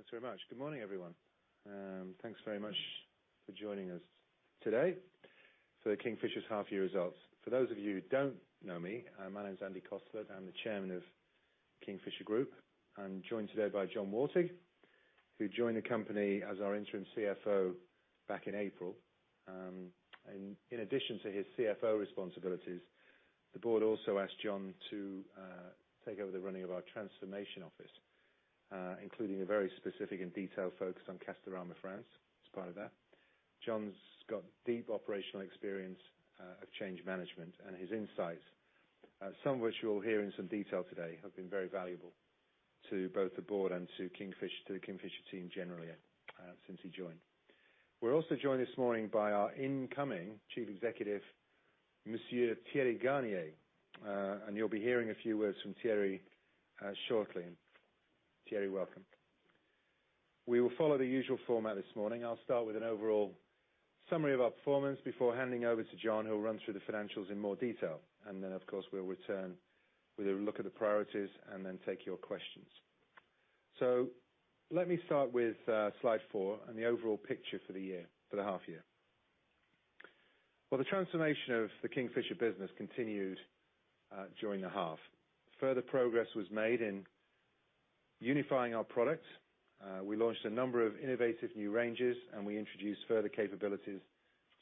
Thanks very much. Good morning, everyone. Thanks very much for joining us today for the Kingfisher's half year results. For those of you who don't know me, my name is Andy Cosslett. I'm the chairman of Kingfisher Group. I'm joined today by John Wartig, who joined the company as our interim CFO back in April. In addition to his CFO responsibilities, the board also asked John to take over the running of our transformation office, including a very specific and detailed focus on Castorama France as part of that. John's got deep operational experience of change management and his insights, some of which you will hear in some detail today, have been very valuable to both the board and to the Kingfisher team generally since he joined. We're also joined this morning by our incoming chief executive, Monsieur Thierry Garnier. You'll be hearing a few words from Thierry shortly. Thierry, welcome. We will follow the usual format this morning. I'll start with an overall summary of our performance before handing over to John, who will run through the financials in more detail. Then, of course, we'll return with a look at the priorities and then take your questions. Let me start with slide four and the overall picture for the half year. Well, the transformation of the Kingfisher business continued during the half. Further progress was made in unifying our product. We launched a number of innovative new ranges, and we introduced further capabilities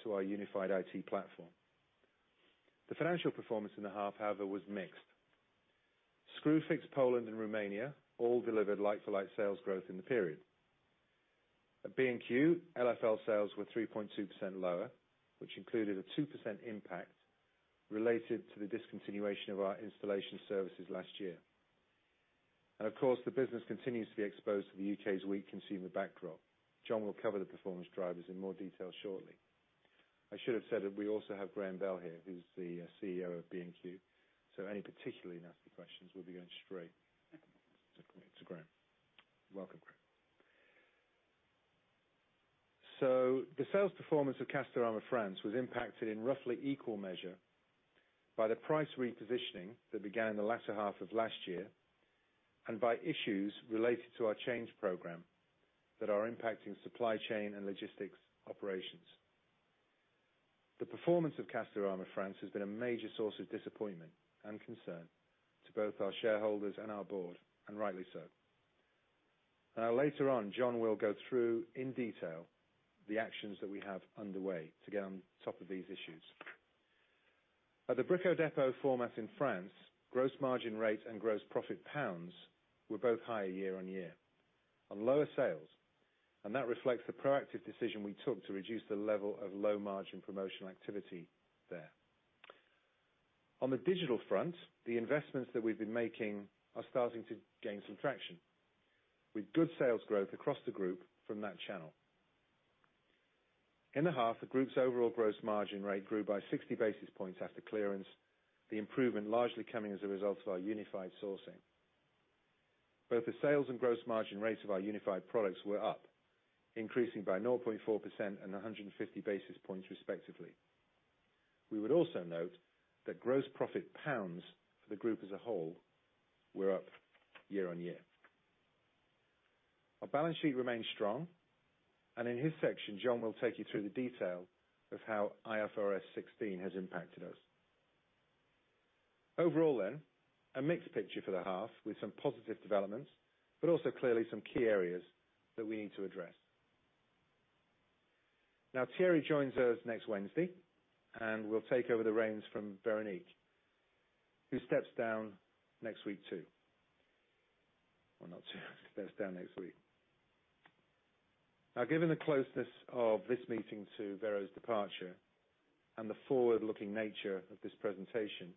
to our unified IT platform. The financial performance in the half, however, was mixed. Screwfix, Poland, and Romania all delivered like-for-like sales growth in the period. At B&Q, LFL sales were 3.2% lower, which included a 2% impact related to the discontinuation of our installation services last year. Of course, the business continues to be exposed to the U.K.'s weak consumer backdrop. John will cover the performance drivers in more detail shortly. I should have said that we also have Graham Bell here, who's the CEO of B&Q. Any particularly nasty questions will be going straight to Graham. Welcome, Graham. The sales performance of Castorama France was impacted in roughly equal measure by the price repositioning that began in the latter half of last year, and by issues related to our change program that are impacting supply chain and logistics operations. The performance of Castorama France has been a major source of disappointment and concern to both our shareholders and our board, and rightly so. Now, later on, John will go through in detail the actions that we have underway to get on top of these issues. At the Brico Dépôt format in France, gross margin rate and gross profit GBP were both higher year-on-year on lower sales. That reflects the proactive decision we took to reduce the level of low margin promotional activity there. On the digital front, the investments that we've been making are starting to gain some traction with good sales growth across the group from that channel. In the half, the group's overall gross margin rate grew by 60 basis points after clearance. The improvement largely coming as a result of our unified sourcing. Both the sales and gross margin rates of our unified products were up, increasing by 0.4% and 150 basis points, respectively. We would also note that gross profit GBP for the group as a whole were up year-on-year. Our balance sheet remains strong. In his section, John will take you through the detail of how IFRS 16 has impacted us. Overall, a mixed picture for the half with some positive developments, also clearly some key areas that we need to address. Thierry joins us next Wednesday and will take over the reins from Véronique, who steps down next week too. Well, not too steps down next week. Given the closeness of this meeting to Vero's departure and the forward-looking nature of this presentation,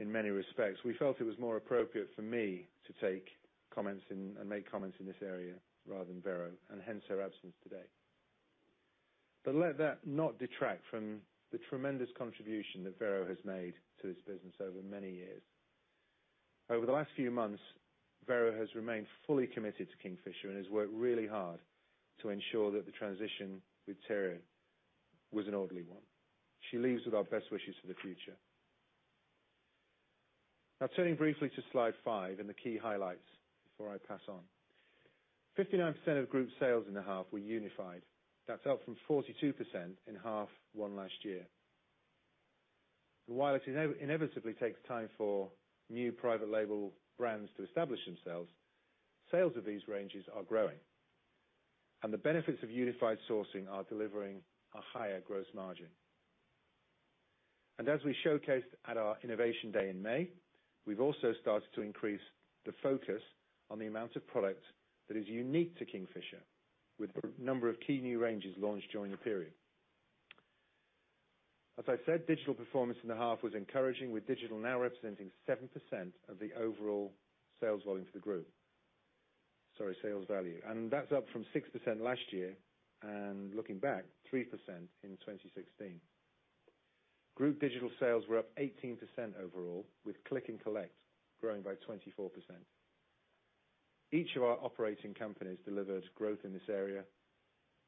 in many respects, we felt it was more appropriate for me to take comments and make comments in this area rather than Vero, hence her absence today. Let that not detract from the tremendous contribution that Vero has made to this business over many years. Over the last few months, Véronique has remained fully committed to Kingfisher and has worked really hard to ensure that the transition with Thierry was an orderly one. She leaves with our best wishes for the future. Now, turning briefly to slide five and the key highlights before I pass on. 59% of group sales in the half were unified. That's up from 42% in half one last year. While it inevitably takes time for new private label brands to establish themselves, sales of these ranges are growing, and the benefits of unified sourcing are delivering a higher gross margin. As we showcased at our Innovation Day in May, we've also started to increase the focus on the amount of product that is unique to Kingfisher with a number of key new ranges launched during the period. As I said, digital performance in the half was encouraging, with digital now representing 7% of the overall sales volume for the group. Sorry, sales value. That's up from 6% last year, and looking back, 3% in 2016. Group digital sales were up 18% overall, with click and collect growing by 24%. Each of our operating companies delivered growth in this area,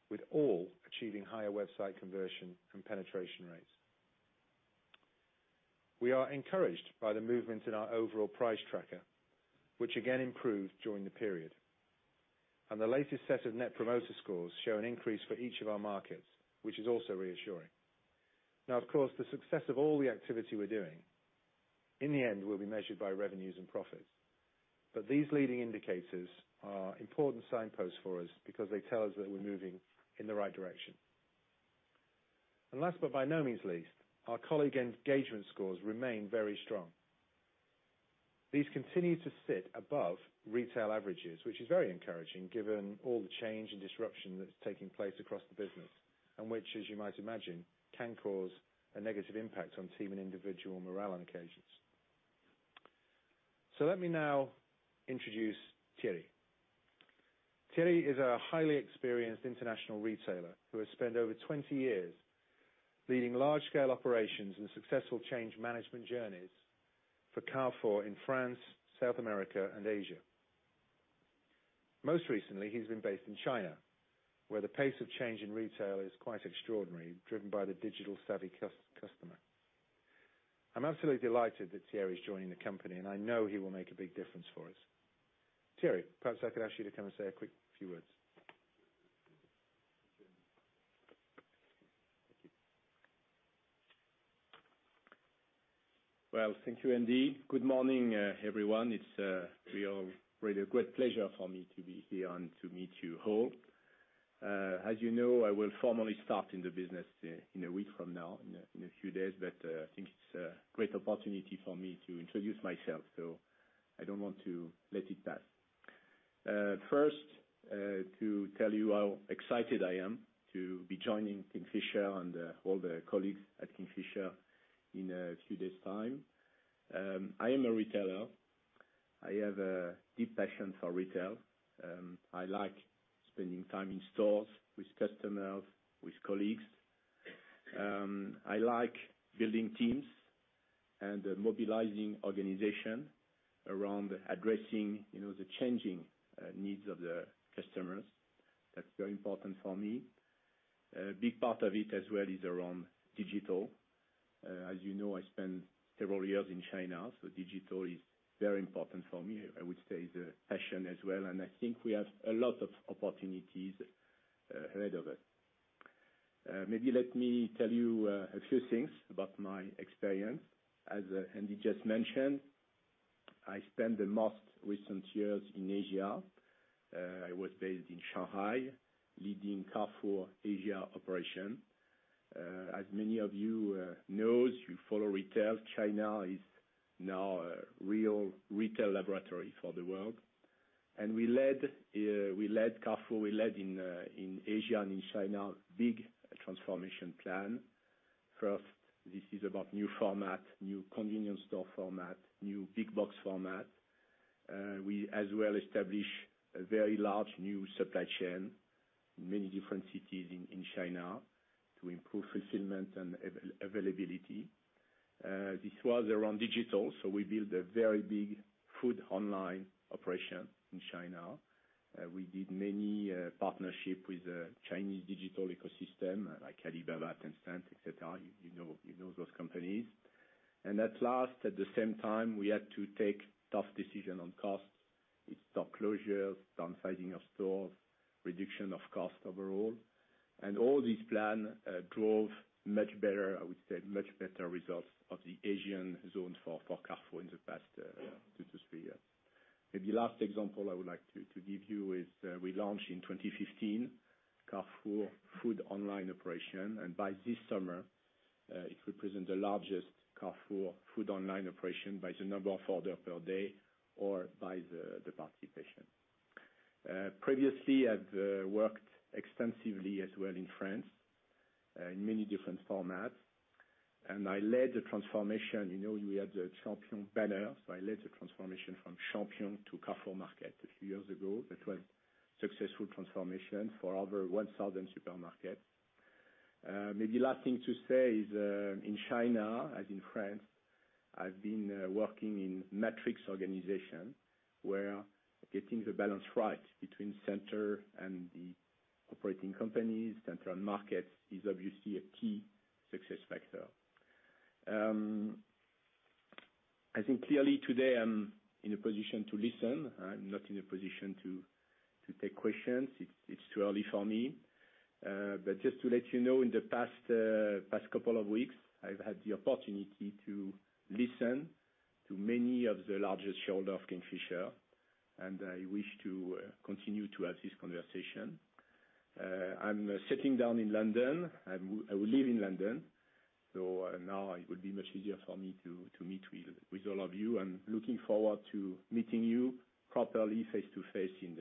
with all achieving higher website conversion and penetration rates. We are encouraged by the movement in our overall price tracker, which again improved during the period. The latest set of Net Promoter Score show an increase for each of our markets, which is also reassuring. Now, of course, the success of all the activity we're doing, in the end, will be measured by revenues and profits. These leading indicators are important signposts for us because they tell us that we're moving in the right direction. Last, but by no means least, our colleague engagement scores remain very strong. These continue to sit above retail averages, which is very encouraging given all the change and disruption that's taking place across the business, and which, as you might imagine, can cause a negative impact on team and individual morale on occasions. Let me now introduce Thierry. Thierry is a highly experienced international retailer who has spent over 20 years leading large-scale operations and successful change management journeys for Carrefour in France, South America, and Asia. Most recently, he's been based in China, where the pace of change in retail is quite extraordinary, driven by the digital-savvy customer. I'm absolutely delighted that Thierry is joining the company, and I know he will make a big difference for us. Thierry, perhaps I could ask you to come and say a quick few words. Thank you. Well, thank you, Andy. Good morning, everyone. It's really a great pleasure for me to be here and to meet you all. As you know, I will formally start in the business in a week from now, in a few days. I think it's a great opportunity for me to introduce myself, I don't want to let it pass. First, to tell you how excited I am to be joining Kingfisher and all the colleagues at Kingfisher in a few days' time. I am a retailer. I have a deep passion for retail. I like spending time in stores with customers, with colleagues. I like building teams and mobilizing organization around addressing the changing needs of the customers. That's very important for me. A big part of it as well is around digital. As you know, I spent several years in China, so digital is very important for me. I would say it's a passion as well, and I think we have a lot of opportunities ahead of us. Maybe let me tell you a few things about my experience. As Andy just mentioned, I spent the most recent years in Asia. I was based in Shanghai, leading Carrefour Asia operation. As many of you know, if you follow retail, China is now a real retail laboratory for the world. We led Carrefour, we led in Asia and in China, a big transformation plan. First, this is about new format, new convenience store format, new big box format. We as well established a very large new supply chain in many different cities in China to improve fulfillment and availability. This was around digital, so we built a very big food online operation in China. We did many partnerships with the Chinese digital ecosystem like Alibaba, Tencent, et cetera. You know those companies. At last, at the same time, we had to take tough decisions on costs, with store closures, downsizing of stores, reduction of costs overall. All these plans drove much better, I would say, much better results of the Asian zone for Carrefour in the past two to three years. Maybe last example I would like to give you is we launched in 2015 Carrefour food online operation, and by this summer, it represents the largest Carrefour food online operation by the number of orders per day or by the participation. Previously, I've worked extensively as well in France in many different formats, and I led the transformation. You know, we had the Champion banner. I led the transformation from Champion to Carrefour Market a few years ago. That was successful transformation for over 1,000 supermarkets. Maybe last thing to say is, in China, as in France, I've been working in matrix organization, where getting the balance right between center and the operating companies, center and markets, is obviously a key success factor. I think clearly today I'm in a position to listen. I'm not in a position to take questions. It's too early for me. Just to let you know, in the past couple of weeks, I've had the opportunity to listen to many of the largest shareholder of Kingfisher, and I wish to continue to have this conversation. I'm sitting down in London. I will live in London. Now it will be much easier for me to meet with all of you. I'm looking forward to meeting you properly face-to-face in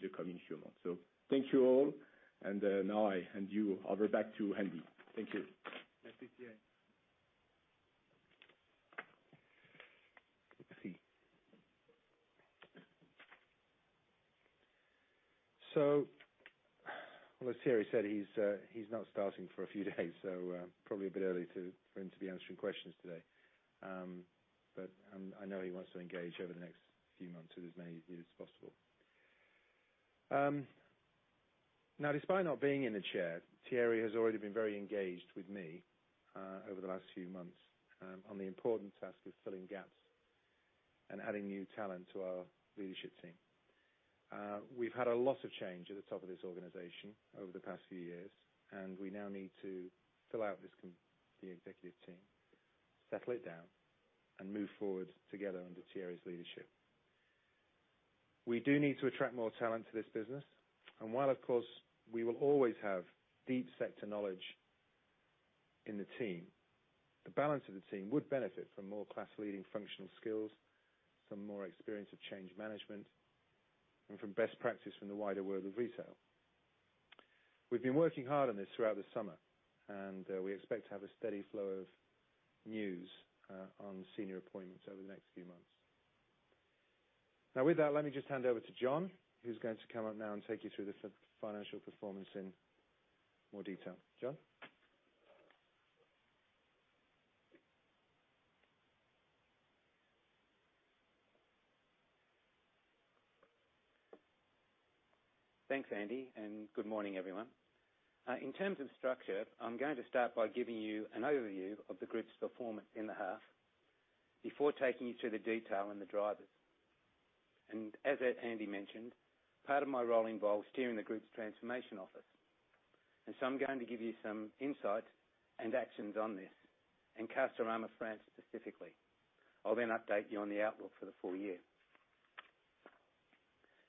the coming few months. Thank you all, and now I hand you over back to Andy. Thank you. Thanks, Thierry. Merci. Well, as Thierry said, he's not starting for a few days, so probably a bit early for him to be answering questions today. I know he wants to engage over the next few months with as many of you as possible. Now, despite not being in the chair, Thierry has already been very engaged with me over the last few months on the important task of filling gaps and adding new talent to our leadership team. We've had a lot of change at the top of this organization over the past few years, and we now need to fill out the executive team, settle it down, and move forward together under Thierry's leadership. We do need to attract more talent to this business. While of course, we will always have deep sector knowledge in the team, the balance of the team would benefit from more class-leading functional skills, some more experience of change management, and from best practice from the wider world of retail. We've been working hard on this throughout the summer, and we expect to have a steady flow of news on senior appointments over the next few months. Now with that, let me just hand over to John, who's going to come up now and take you through the financial performance in more detail. John? Thanks, Andy. Good morning, everyone. In terms of structure, I'm going to start by giving you an overview of the group's performance in the half before taking you through the detail and the drivers. As Andy mentioned, part of my role involves steering the group's transformation office. I'm going to give you some insights and actions on this, in Castorama France specifically. I'll update you on the outlook for the full year.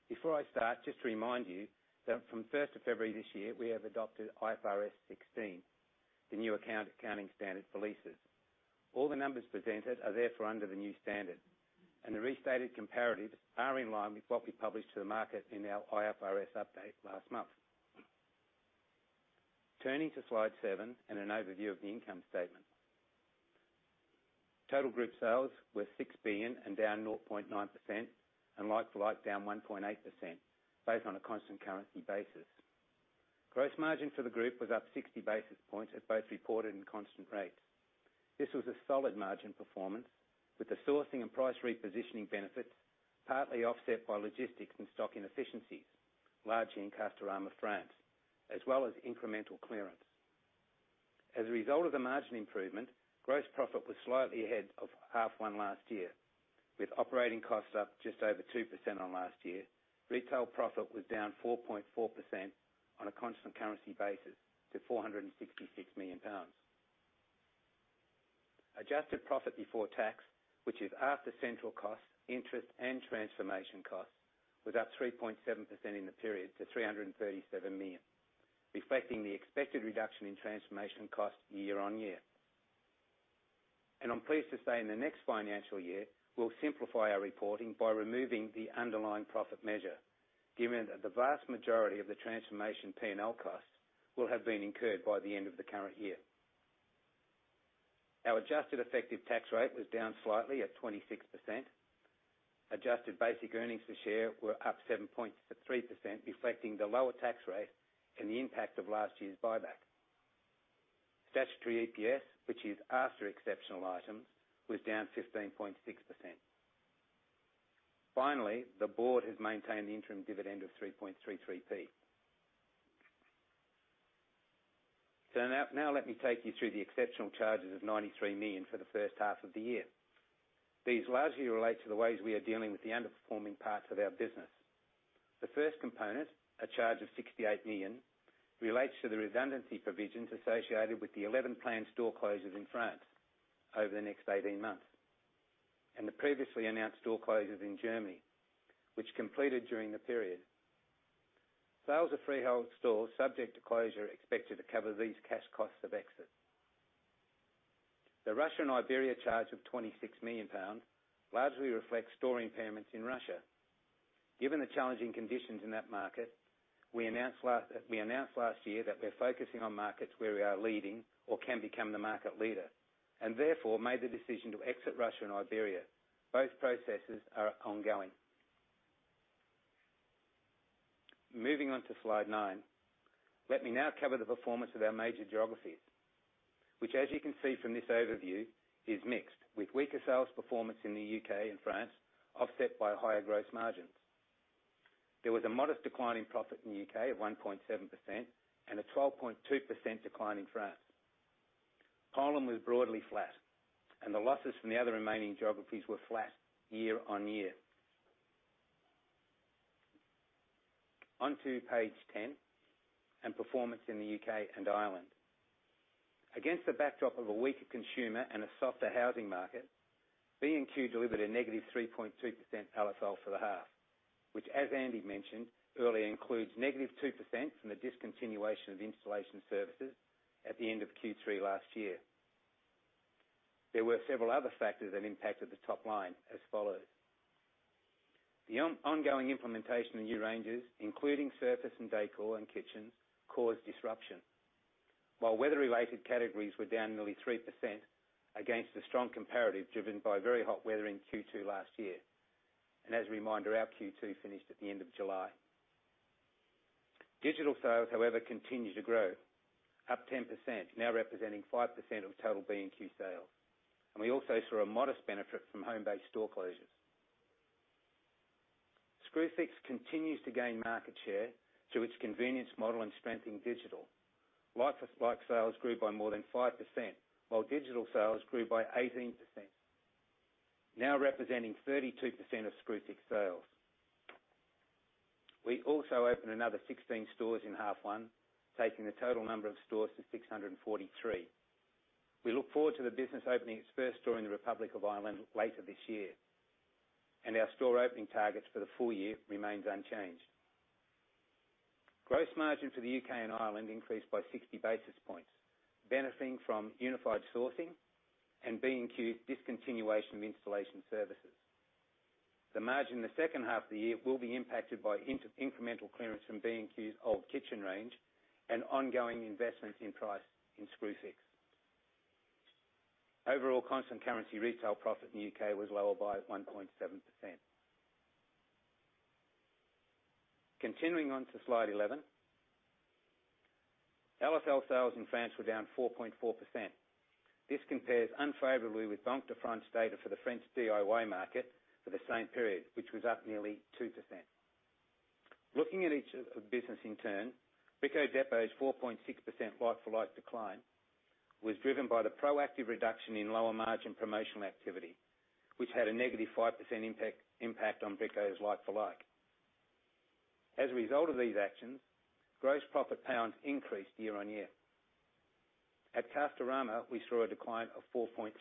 Before I start, just to remind you that from 1st of February this year, we have adopted IFRS 16, the new accounting standard for leases. All the numbers presented are therefore under the new standard, and the restated comparatives are in line with what we published to the market in our IFRS update last month. Turning to Slide seven and an overview of the income statement. Total group sales were 6 billion and down 0.9%, and LFL down 1.8%, both on a constant currency basis. Gross margin for the group was up 60 basis points at both reported and constant rates. This was a solid margin performance with the sourcing and price repositioning benefits partly offset by logistics and stock inefficiencies, largely in Castorama France, as well as incremental clearance. As a result of the margin improvement, gross profit was slightly ahead of half one last year. With operating costs up just over 2% on last year, retail profit was down 4.4% on a constant currency basis to 466 million pounds. Adjusted PBT, which is after central costs, interest, and transformation costs, was up 3.7% in the period to 337 million, reflecting the expected reduction in transformation costs year-over-year. I'm pleased to say in the next financial year, we'll simplify our reporting by removing the underlying profit measure given that the vast majority of the transformation P&L costs will have been incurred by the end of the current year. Our adjusted effective tax rate was down slightly at 26%. Adjusted basic earnings per share were up 7.3%, reflecting the lower tax rate and the impact of last year's buyback. Statutory EPS, which is after exceptional items, was down 15.6%. The board has maintained the interim dividend of 0.0333. Now let me take you through the exceptional charges of 93 million for the first half of the year. These largely relate to the ways we are dealing with the underperforming parts of our business. The first component, a charge of 68 million, relates to the redundancy provisions associated with the 11 planned store closures in France over the next 18 months and the previously announced store closures in Germany, which completed during the period. Sales of freehold stores subject to closure are expected to cover these cash costs of exit. The Russia and Iberia charge of 26 million pounds largely reflects store impairments in Russia. Given the challenging conditions in that market, we announced last year that we're focusing on markets where we are leading or can become the market leader, and therefore made the decision to exit Russia and Iberia. Both processes are ongoing. Moving on to Slide nine. Let me now cover the performance of our major geographies, which as you can see from this overview, is mixed with weaker sales performance in the U.K. and France, offset by higher gross margins. There was a modest decline in profit in the U.K. of 1.7% and a 12.2% decline in France. Poland was broadly flat, and the losses from the other remaining geographies were flat year on year. On to page 10 and performance in the U.K. and Ireland. Against the backdrop of a weaker consumer and a softer housing market, B&Q delivered a negative 3.3% LFL for the half, which as Andy mentioned earlier, includes negative 2% from the discontinuation of installation services at the end of Q3 last year. There were several other factors that impacted the top line as follows. The ongoing implementation of new ranges, including surface and decor and kitchens, caused disruption. Weather-related categories were down nearly 3% against a strong comparative driven by very hot weather in Q2 last year. As a reminder, our Q2 finished at the end of July. Digital sales, however, continue to grow up 10%, now representing 5% of total B&Q sales. We also saw a modest benefit from home-based store closures. Screwfix continues to gain market share through its convenience model and strength in digital. Like-for-like sales grew by more than 5%, while digital sales grew by 18%, now representing 32% of Screwfix sales. We also opened another 16 stores in half one, taking the total number of stores to 643. We look forward to the business opening its first store in the Republic of Ireland later this year, our store opening targets for the full year remains unchanged. Gross margin for the U.K. and Ireland increased by 60 basis points, benefiting from unified sourcing and B&Q discontinuation of installation services. The margin in the second half of the year will be impacted by incremental clearance from B&Q's old kitchen range and ongoing investments in price in Screwfix. Overall, constant currency retail profit in the U.K. was lower by 1.7%. Continuing on to slide 11. LFL sales in France were down 4.4%. This compares unfavorably with Banque de France data for the French DIY market for the same period, which was up nearly 2%. Looking at each business in turn, Brico Dépôt's 4.6% like-for-like decline was driven by the proactive reduction in lower margin promotional activity, which had a negative 5% impact on Brico's like-for-like. As a result of these actions, gross profit GBP increased year on year. At Castorama, we saw a decline of 4.3%,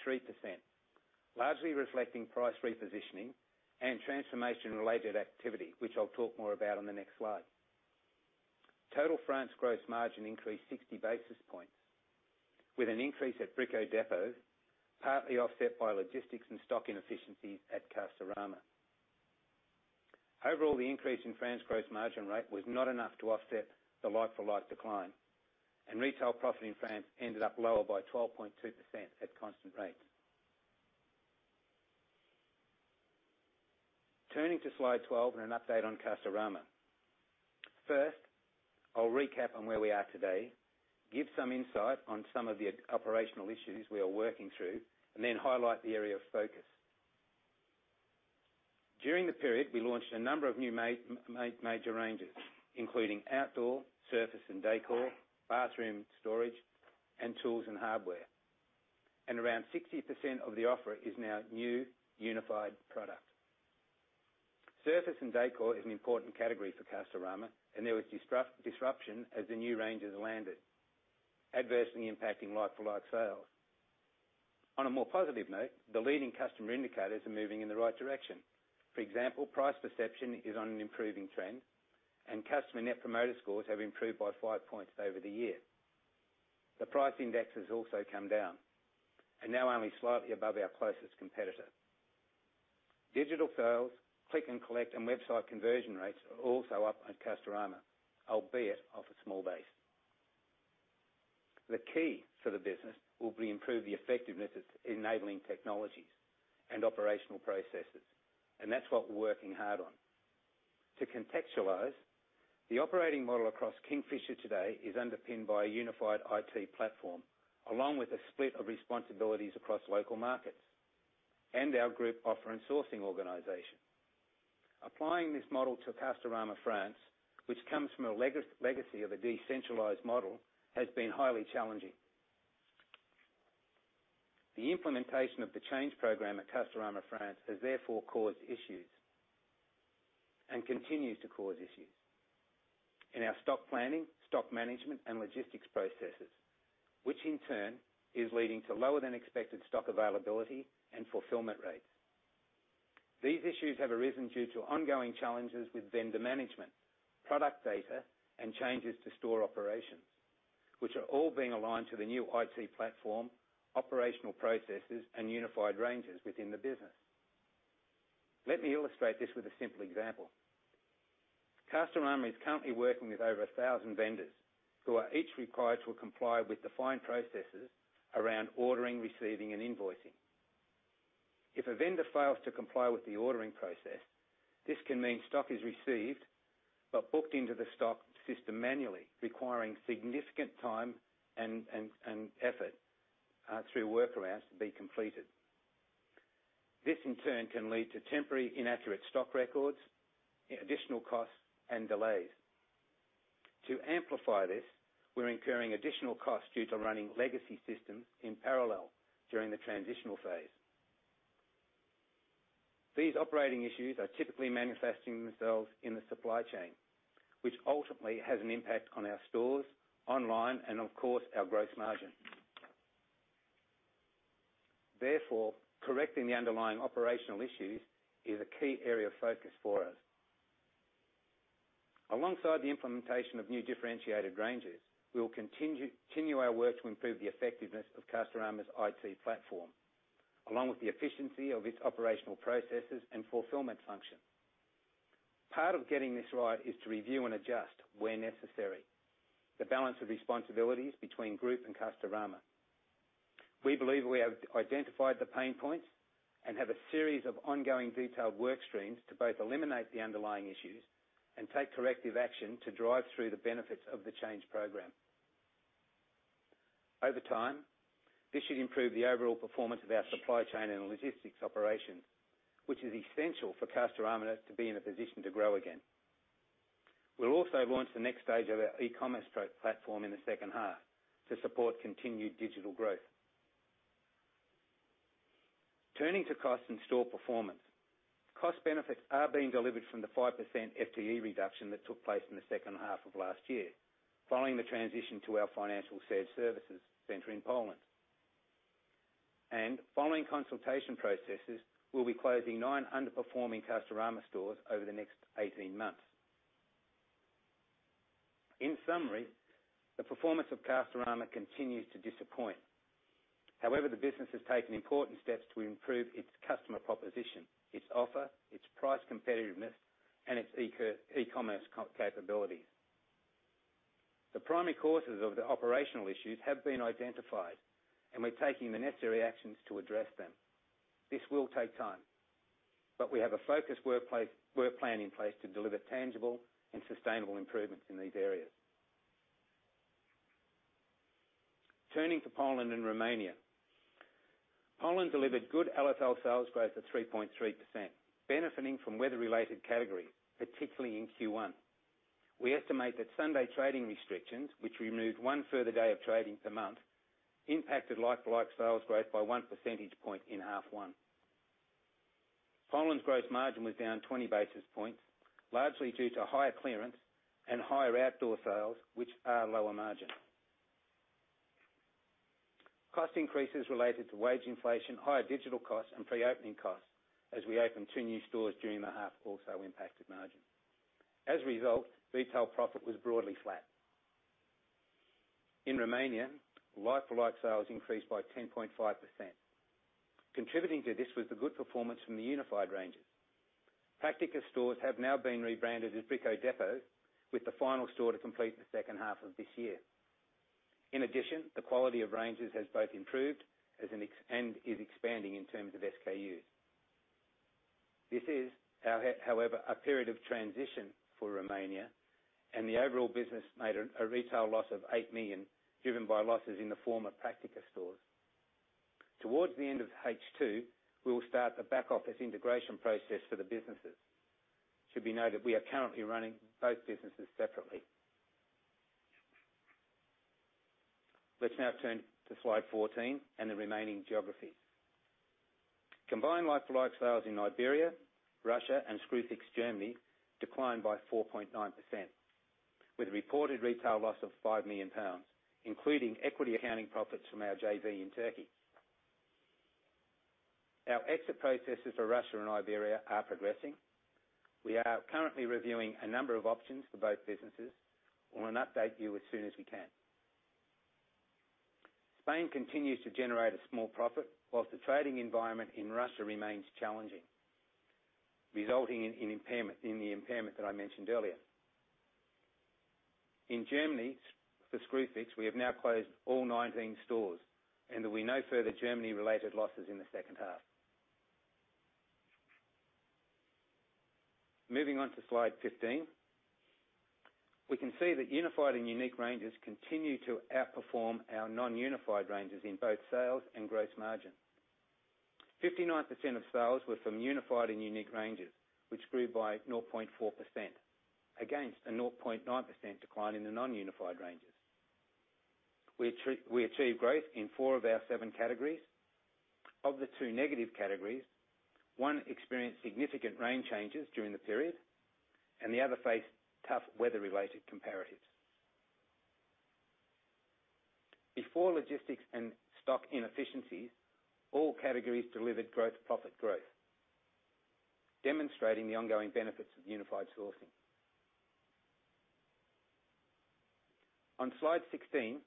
largely reflecting price repositioning and transformation-related activity, which I'll talk more about on the next slide. Total France gross margin increased 60 basis points, with an increase at Brico Dépôt, partly offset by logistics and stock inefficiencies at Castorama. Overall, the increase in France gross margin rate was not enough to offset the like-for-like decline, and retail profit in France ended up lower by 12.2% at constant rates. Turning to slide 12 and an update on Castorama. First, I'll recap on where we are today, give some insight on some of the operational issues we are working through, and then highlight the area of focus. During the period, we launched a number of new major ranges, including outdoor, surface and decor, bathroom storage, and tools and hardware. Around 60% of the offer is now new unified product. Surface and decor is an important category for Castorama, and there was disruption as the new ranges landed, adversely impacting like-for-like sales. On a more positive note, the leading customer indicators are moving in the right direction. For example, price perception is on an improving trend, and customer Net Promoter Scores have improved by five points over the year. The price index has also come down and now only slightly above our closest competitor. Digital sales, click and collect, and website conversion rates are also up on Castorama, albeit off a small base. The key to the business will be improve the effectiveness of its enabling technologies and operational processes, and that's what we're working hard on. To contextualize, the operating model across Kingfisher today is underpinned by a unified IT platform, along with a split of responsibilities across local markets, and our group offer and sourcing organization. Applying this model to Castorama France, which comes from a legacy of a decentralized model, has been highly challenging. The implementation of the change program at Castorama France has therefore caused issues and continues to cause issues in our stock planning, stock management, and logistics processes, which in turn is leading to lower than expected stock availability and fulfillment rates. These issues have arisen due to ongoing challenges with vendor management, product data, and changes to store operations, which are all being aligned to the new IT platform, operational processes, and unified ranges within the business. Let me illustrate this with a simple example. Castorama is currently working with over 1,000 vendors who are each required to comply with defined processes around ordering, receiving, and invoicing. If a vendor fails to comply with the ordering process, this can mean stock is received but booked into the stock system manually, requiring significant time and effort through workarounds to be completed. This in turn can lead to temporary inaccurate stock records, additional costs, and delays. To amplify this, we're incurring additional costs due to running legacy systems in parallel during the transitional phase. These operating issues are typically manifesting themselves in the supply chain, which ultimately has an impact on our stores, online, and of course, our gross margin. Therefore, correcting the underlying operational issues is a key area of focus for us. Alongside the implementation of new differentiated ranges, we will continue our work to improve the effectiveness of Castorama's IT platform, along with the efficiency of its operational processes and fulfillment function. Part of getting this right is to review and adjust, where necessary, the balance of responsibilities between Group and Castorama. We believe we have identified the pain points and have a series of ongoing detailed work streams to both eliminate the underlying issues and take corrective action to drive through the benefits of the change program. Over time, this should improve the overall performance of our supply chain and logistics operations, which is essential for Castorama to be in a position to grow again. We'll also launch the next stage of our e-commerce platform in the second half to support continued digital growth. Turning to cost and store performance. Cost benefits are being delivered from the 5% FTE reduction that took place in the second half of last year, following the transition to our financial shared services center in Poland. Following consultation processes, we'll be closing nine underperforming Castorama stores over the next 18 months. In summary, the performance of Castorama continues to disappoint. However, the business has taken important steps to improve its customer proposition, its offer, its price competitiveness, and its e-commerce capabilities. The primary causes of the operational issues have been identified, and we're taking the necessary actions to address them. This will take time, but we have a focused work plan in place to deliver tangible and sustainable improvements in these areas. Turning to Poland and Romania. Poland delivered good LFL sales growth of 3.3%, benefiting from weather-related categories, particularly in Q1. We estimate that Sunday trading restrictions, which removed one further day of trading per month, impacted like-for-like sales growth by one percentage point in half one. Poland's gross margin was down 20 basis points, largely due to higher clearance and higher outdoor sales, which are lower margin. Cost increases related to wage inflation, higher digital costs, and pre-opening costs as we open two new stores during the half, also impacted margin. As a result, retail profit was broadly flat. In Romania, like-for-like sales increased by 10.5%. Contributing to this was the good performance from the unified ranges. Praktiker stores have now been rebranded as Brico Dépôt, with the final store to complete in the second half of this year. In addition, the quality of ranges has both improved and is expanding in terms of SKUs. This is, however, a period of transition for Romania, and the overall business made a retail loss of 8 million, driven by losses in the former Praktiker stores. Towards the end of H2, we will start the back-office integration process for the businesses. It should be noted, we are currently running both businesses separately. Let's now turn to slide 14 and the remaining geographies. Combined like-for-like sales in Iberia, Russia, and Screwfix, Germany declined by 4.9%, with a reported retail loss of 5 million pounds, including equity accounting profits from our JV in Turkey. Our exit processes for Russia and Iberia are progressing. We are currently reviewing a number of options for both businesses, and we'll update you as soon as we can. Spain continues to generate a small profit whilst the trading environment in Russia remains challenging, resulting in the impairment that I mentioned earlier. In Germany, for Screwfix, we have now closed all 19 stores, and there will be no further Germany-related losses in the second half. Moving on to slide 15. We can see that unified and unique ranges continue to outperform our non-unified ranges in both sales and gross margin. 59% of sales were from unified and unique ranges. Which grew by 0.4%, against a 0.9% decline in the non-unified ranges. We achieved growth in 4 of our 7 categories. Of the 2 negative categories, one experienced significant range changes during the period, and the other faced tough weather-related comparatives. Before logistics and stock inefficiencies, all categories delivered growth, profit growth, demonstrating the ongoing benefits of unified sourcing. On slide 16,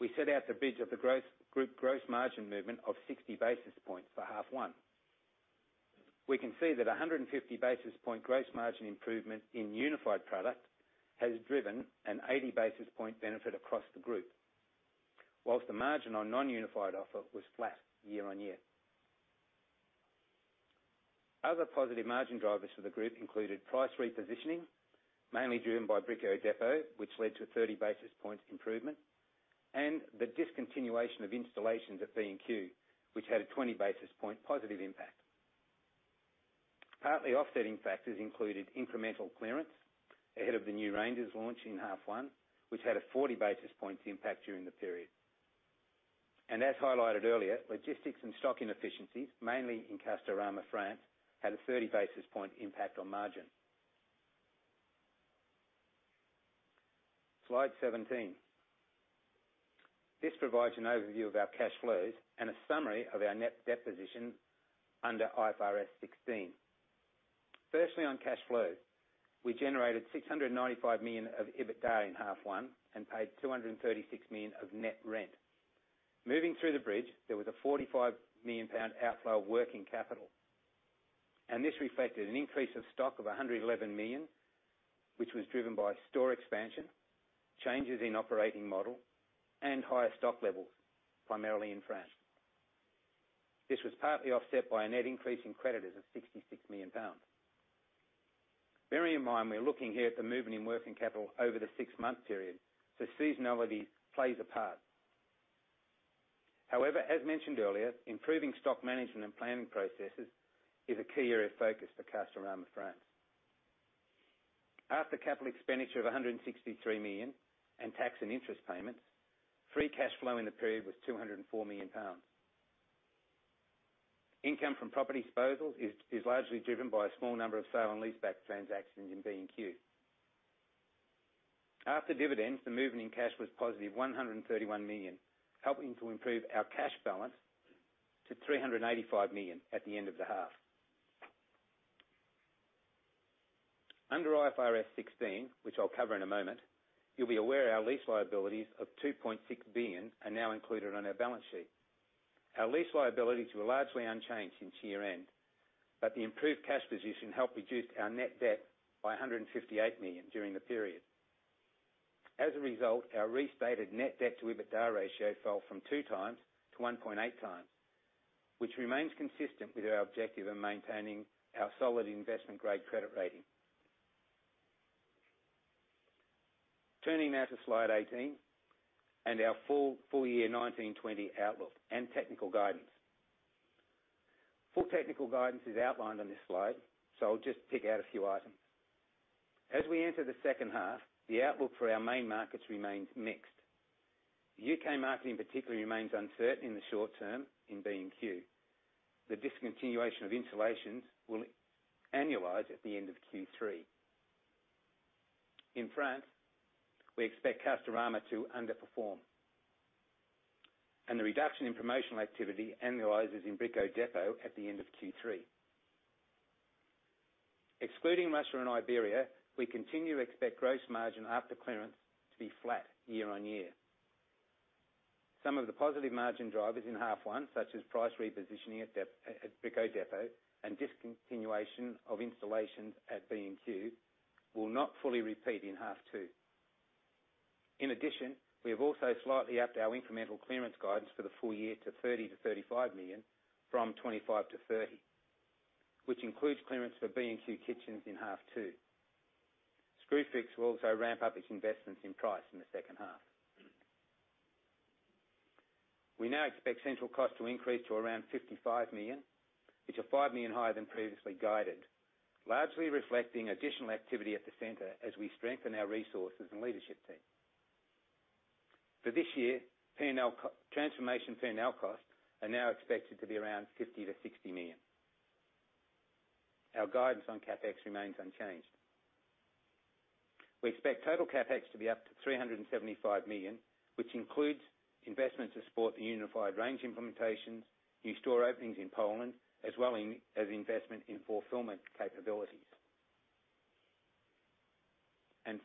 we set out the bridge of the group gross margin movement of 60 basis points for half 1. We can see that 150 basis point gross margin improvement in unified product has driven an 80 basis point benefit across the group. Whilst the margin on non-unified offer was flat year-on-year. Other positive margin drivers for the group included price repositioning, mainly driven by Brico Dépôt, which led to a 30 basis point improvement, and the discontinuation of installations at B&Q, which had a 20 basis point positive impact. Partly offsetting factors included incremental clearance ahead of the new ranges launch in half one, which had a 40 basis points impact during the period. As highlighted earlier, logistics and stock inefficiencies, mainly in Castorama France, had a 30 basis point impact on margin. Slide 17. This provides an overview of our cash flows and a summary of our net debt position under IFRS 16. Firstly, on cash flows, we generated 695 million of EBITDA in half one and paid 236 million of net rent. Moving through the bridge, there was a 45 million pound outflow of working capital. This reflected an increase of stock of 111 million, which was driven by store expansion, changes in operating model, and higher stock levels, primarily in France. This was partly offset by a net increase in creditors of 66 million pounds. Bearing in mind, we're looking here at the movement in working capital over the six-month period, seasonality plays a part. However, as mentioned earlier, improving stock management and planning processes is a key area of focus for Castorama France. After capital expenditure of 163 million and tax and interest payments, free cash flow in the period was 204 million pounds. Income from property disposals is largely driven by a small number of sale and leaseback transactions in B&Q. After dividends, the movement in cash was positive 131 million, helping to improve our cash balance to 385 million at the end of the half. Under IFRS 16, which I'll cover in a moment, you'll be aware our lease liabilities of 2.6 billion are now included on our balance sheet. Our lease liabilities were largely unchanged since year-end. The improved cash position helped reduce our net debt by 158 million during the period. As a result, our restated net debt to EBITDA ratio fell from two times to 1.8 times, which remains consistent with our objective in maintaining our solid investment-grade credit rating. Turning now to slide 18 and our full year 2019/2020 outlook and technical guidance. Full technical guidance is outlined on this slide. I'll just pick out a few items. As we enter the second half, the outlook for our main markets remains mixed. The U.K. market in particular remains uncertain in the short term in B&Q. The discontinuation of installations will annualize at the end of Q3. In France, we expect Castorama to underperform. The reduction in promotional activity annualizes in Brico Depôt at the end of Q3. Excluding Russia and Iberia, we continue to expect gross margin after clearance to be flat year-over-year. Some of the positive margin drivers in half one, such as price repositioning at Brico Depôt and discontinuation of installations at B&Q, will not fully repeat in half two. In addition, we have also slightly upped our incremental clearance guidance for the full year to 30 million-35 million from 25 million-30 million, which includes clearance for B&Q kitchens in half two. Screwfix will also ramp up its investments in price in the second half. We now expect central cost to increase to around 55 million, which are 5 million higher than previously guided, largely reflecting additional activity at the center as we strengthen our resources and leadership team. For this year, transformation P&L costs are now expected to be around 50 million-60 million. Our guidance on CapEx remains unchanged. We expect total CapEx to be up to 375 million, which includes investments to support the unified range implementations, new store openings in Poland, as well as investment in fulfillment capabilities.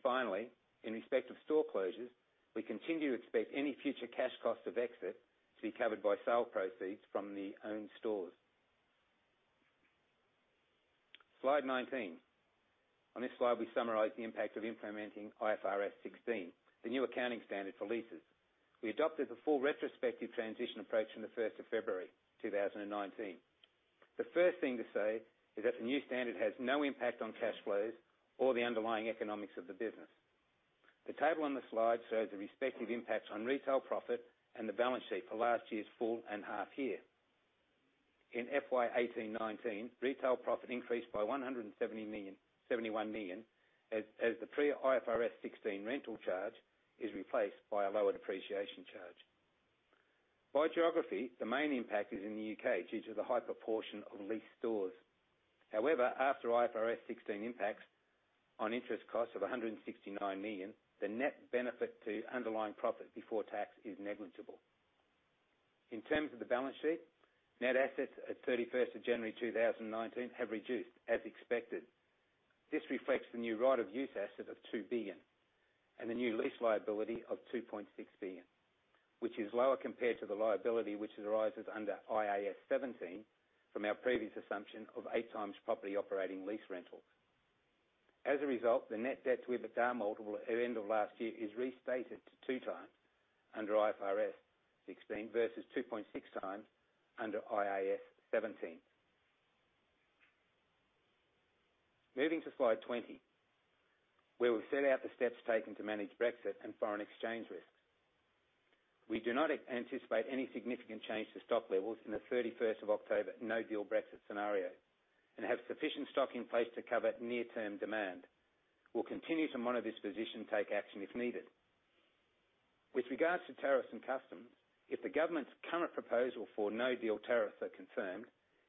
Finally, in respect of store closures, we continue to expect any future cash cost of exit to be covered by sale proceeds from the owned stores. Slide 19. On this slide, we summarize the impact of implementing IFRS 16, the new accounting standard for leases. We adopted the full retrospective transition approach from the 1st of February 2019. The first thing to say is that the new standard has no impact on cash flows or the underlying economics of the business. The table on this slide shows the respective impact on retail profit and the balance sheet for last year's full and half year. In FY 2018/2019, retail profit increased by 171 million as the pre-IFRS 16 rental charge is replaced by a lower depreciation charge. By geography, the main impact is in the U.K. due to the high proportion of leased stores. However, after IFRS 16 impacts on interest costs of 169 million, the net benefit to underlying profit before tax is negligible. In terms of the balance sheet, net assets at 31st of January 2019 have reduced as expected. This reflects the new right-of-use asset of 2 billion and the new lease liability of 2.6 billion, which is lower compared to the liability which arises under IAS 17 from our previous assumption of eight times property operating lease rentals. The net debt to EBITDA multiple at the end of last year is restated to two times under IFRS 16 versus 2.6 times under IAS 17. Moving to slide 20, where we've set out the steps taken to manage Brexit and foreign exchange risks. We do not anticipate any significant change to stock levels in the 31st of October no-deal Brexit scenario and have sufficient stock in place to cover near-term demand. We'll continue to monitor this position and take action if needed. With regards to tariffs and customs, if the government's current proposal for no-deal tariffs are confirmed,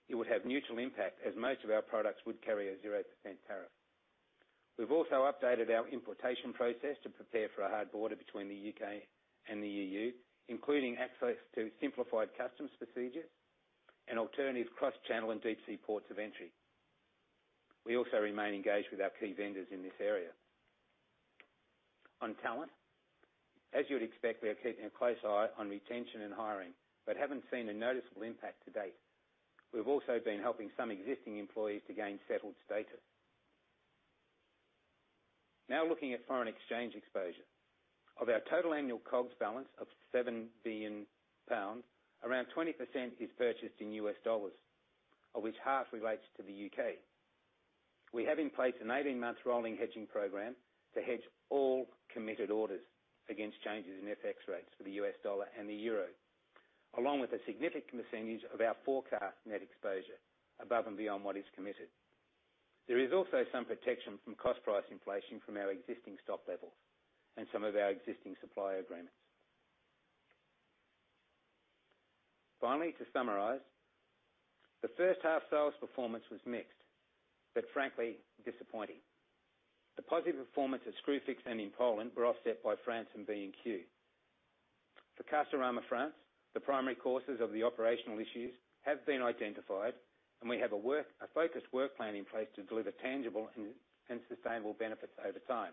it would have neutral impact as most of our products would carry a 0% tariff. We've also updated our importation process to prepare for a hard border between the U.K. and the E.U., including access to simplified customs procedures and alternative cross-channel and deep-sea ports of entry. We also remain engaged with our key vendors in this area. On talent, as you would expect, we are keeping a close eye on retention and hiring, but haven't seen a noticeable impact to date. We've also been helping some existing employees to gain settled status. Looking at foreign exchange exposure. Of our total annual COGS balance of £7 billion, around 20% is purchased in US dollars, of which half relates to the U.K. We have in place an 18-month rolling hedging program to hedge all committed orders against changes in FX rates for the US dollar and the euro, along with a significant percentage of our forecast net exposure above and beyond what is committed. There is also some protection from cost price inflation from our existing stock levels and some of our existing supplier agreements. Finally, to summarize, the first half sales performance was mixed, but frankly, disappointing. The positive performance of Screwfix and in Poland were offset by France and B&Q. For Castorama France, the primary causes of the operational issues have been identified, and we have a focused work plan in place to deliver tangible and sustainable benefits over time.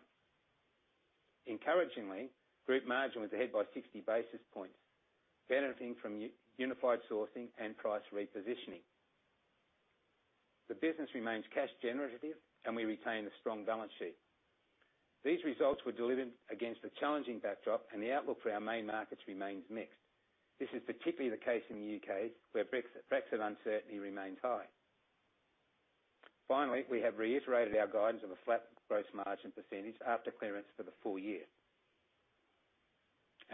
Encouragingly, group margin was ahead by 60 basis points, benefiting from unified sourcing and price repositioning. The business remains cash generative, and we retain a strong balance sheet. These results were delivered against a challenging backdrop, and the outlook for our main markets remains mixed. This is particularly the case in the U.K., where Brexit uncertainty remains high. Finally, we have reiterated our guidance of a flat gross margin % after clearance for the full year.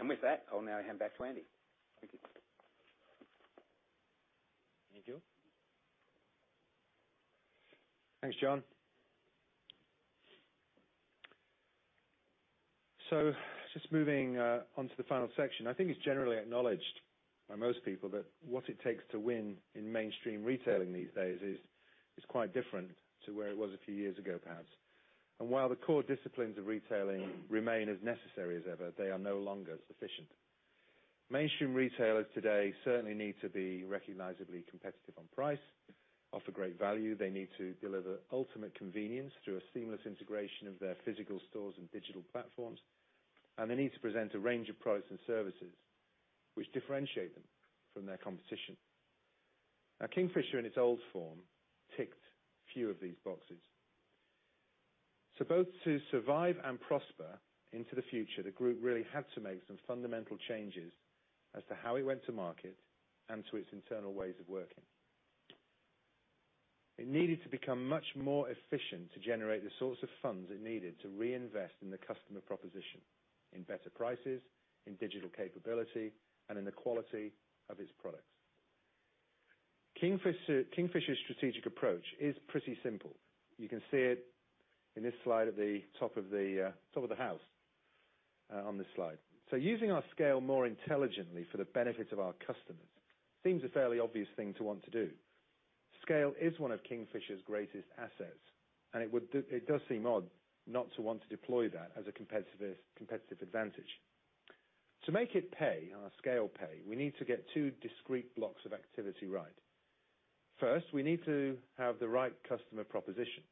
With that, I'll now hand back to Andy. Thank you. Thank you. Thanks, John. Just moving on to the final section. I think it's generally acknowledged by most people that what it takes to win in mainstream retailing these days is quite different to where it was a few years ago, perhaps. While the core disciplines of retailing remain as necessary as ever, they are no longer sufficient. Mainstream retailers today certainly need to be recognizably competitive on price, offer great value. They need to deliver ultimate convenience through a seamless integration of their physical stores and digital platforms. They need to present a range of products and services which differentiate them from their competition. Kingfisher in its old form ticked few of these boxes. Both to survive and prosper into the future, the group really had to make some fundamental changes as to how it went to market and to its internal ways of working. It needed to become much more efficient to generate the sorts of funds it needed to reinvest in the customer proposition, in better prices, in digital capability, and in the quality of its products. Kingfisher's strategic approach is pretty simple. You can see it in this slide at the top of the house on this slide. Using our scale more intelligently for the benefit of our customers seems a fairly obvious thing to want to do. Scale is one of Kingfisher's greatest assets, and it does seem odd not to want to deploy that as a competitive advantage. To make it pay, our scale pay, we need to get two discrete blocks of activity right. First, we need to have the right customer proposition,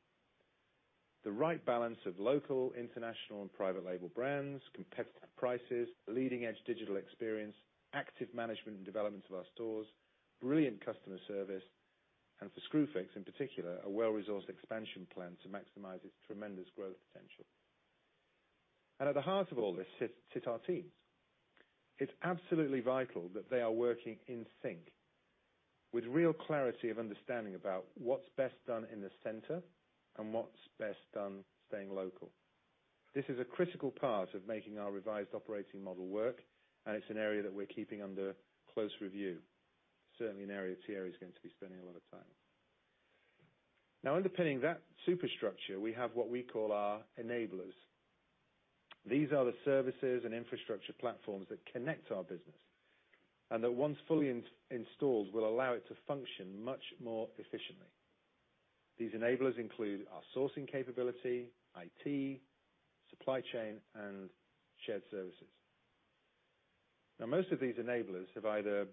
the right balance of local, international, and private label brands, competitive prices, leading-edge digital experience, active management and development of our stores, brilliant customer service, and for Screwfix in particular, a well-resourced expansion plan to maximize its tremendous growth potential. At the heart of all this sit our teams. It's absolutely vital that they are working in sync with real clarity of understanding about what's best done in the center and what's best done staying local. This is a critical part of making our revised operating model work, and it's an area that we're keeping under close review. Certainly an area Thierry is going to be spending a lot of time. Underpinning that superstructure, we have what we call our enablers. These are the services and infrastructure platforms that connect our business, and that once fully installed, will allow it to function much more efficiently. These enablers include our sourcing capability, IT, supply chain, and shared services. Most of these enablers have either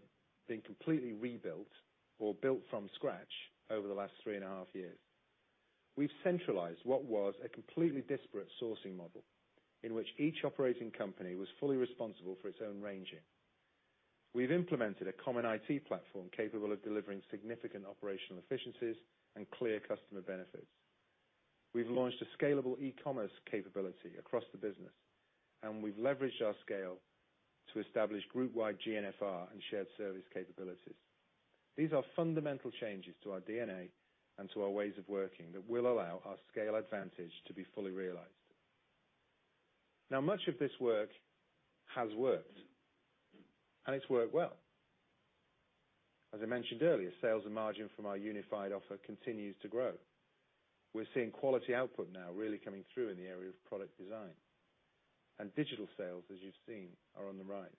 been completely rebuilt or built from scratch over the last three and a half years. We've centralized what was a completely disparate sourcing model in which each operating company was fully responsible for its own ranging. We've implemented a common IT platform capable of delivering significant operational efficiencies and clear customer benefits. We've launched a scalable e-commerce capability across the business, and we've leveraged our scale to establish group-wide GNFR and shared service capabilities. These are fundamental changes to our DNA and to our ways of working that will allow our scale advantage to be fully realized. Much of this work has worked, and it's worked well. As I mentioned earlier, sales and margin from our unified offer continues to grow. We're seeing quality output now really coming through in the area of product design. Digital sales, as you've seen, are on the rise.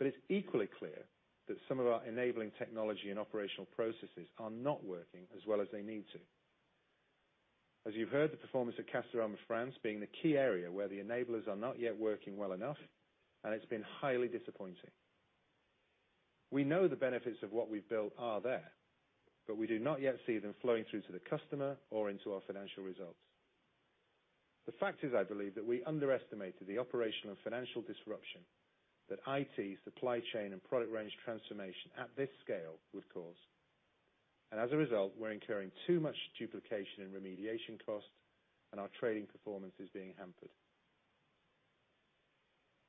It's equally clear that some of our enabling technology and operational processes are not working as well as they need to. As you've heard, the performance of Castorama France being the key area where the enablers are not yet working well enough, and it's been highly disappointing. We know the benefits of what we've built are there, we do not yet see them flowing through to the customer or into our financial results. The fact is, I believe, that we underestimated the operational and financial disruption that IT, supply chain, and product range transformation at this scale would cause. As a result, we're incurring too much duplication in remediation costs, and our trading performance is being hampered.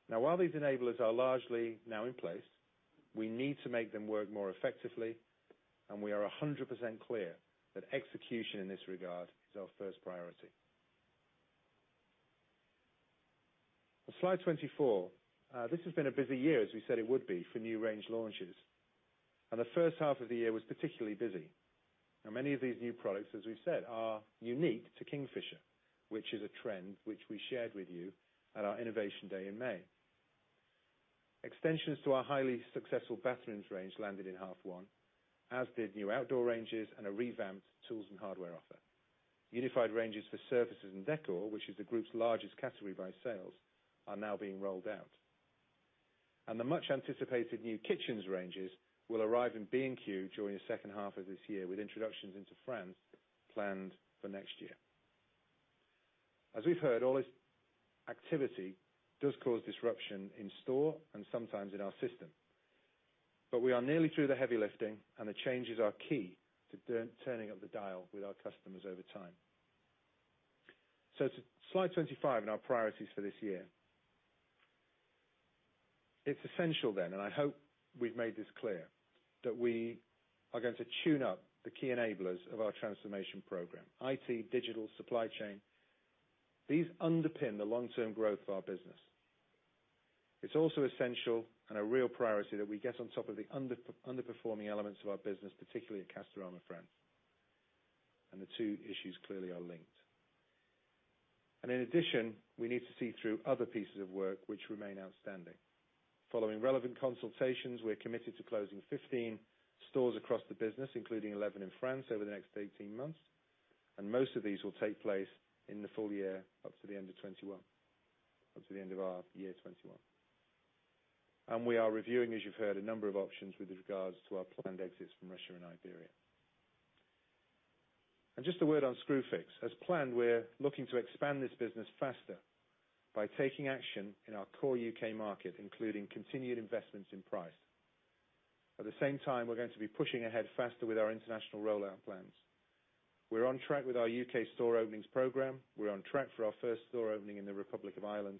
While these enablers are largely now in place, we need to make them work more effectively, and we are 100% clear that execution in this regard is our first priority. Slide 24. This has been a busy year, as we said it would be, for new range launches. The first half of the year was particularly busy. Many of these new products, as we've said, are unique to Kingfisher, which is a trend which we shared with you at our innovation day in May. Extensions to our highly successful bathrooms range landed in half one, as did new outdoor ranges and a revamped tools and hardware offer. Unified ranges for surface and decor, which is the group's largest category by sales, are now being rolled out. The much-anticipated new kitchens ranges will arrive in B&Q during the second half of this year, with introductions into France planned for next year. We are nearly through the heavy lifting, and the changes are key to turning up the dial with our customers over time. To slide 25 and our priorities for this year. It's essential then, and I hope we've made this clear, that we are going to tune up the key enablers of our transformation program: IT, digital, supply chain. These underpin the long-term growth of our business. It's also essential and a real priority that we get on top of the underperforming elements of our business, particularly at Castorama France. The two issues clearly are linked. In addition, we need to see through other pieces of work which remain outstanding. Following relevant consultations, we're committed to closing 15 stores across the business, including 11 in France, over the next 18 months, and most of these will take place in the full year up to the end of our year 2021. We are reviewing, as you've heard, a number of options with regards to our planned exits from Russia and Iberia. Just a word on Screwfix. As planned, we're looking to expand this business faster by taking action in our core U.K. market, including continued investments in price. At the same time, we're going to be pushing ahead faster with our international rollout plans. We're on track with our U.K. store openings program. We're on track for our first store opening in the Republic of Ireland,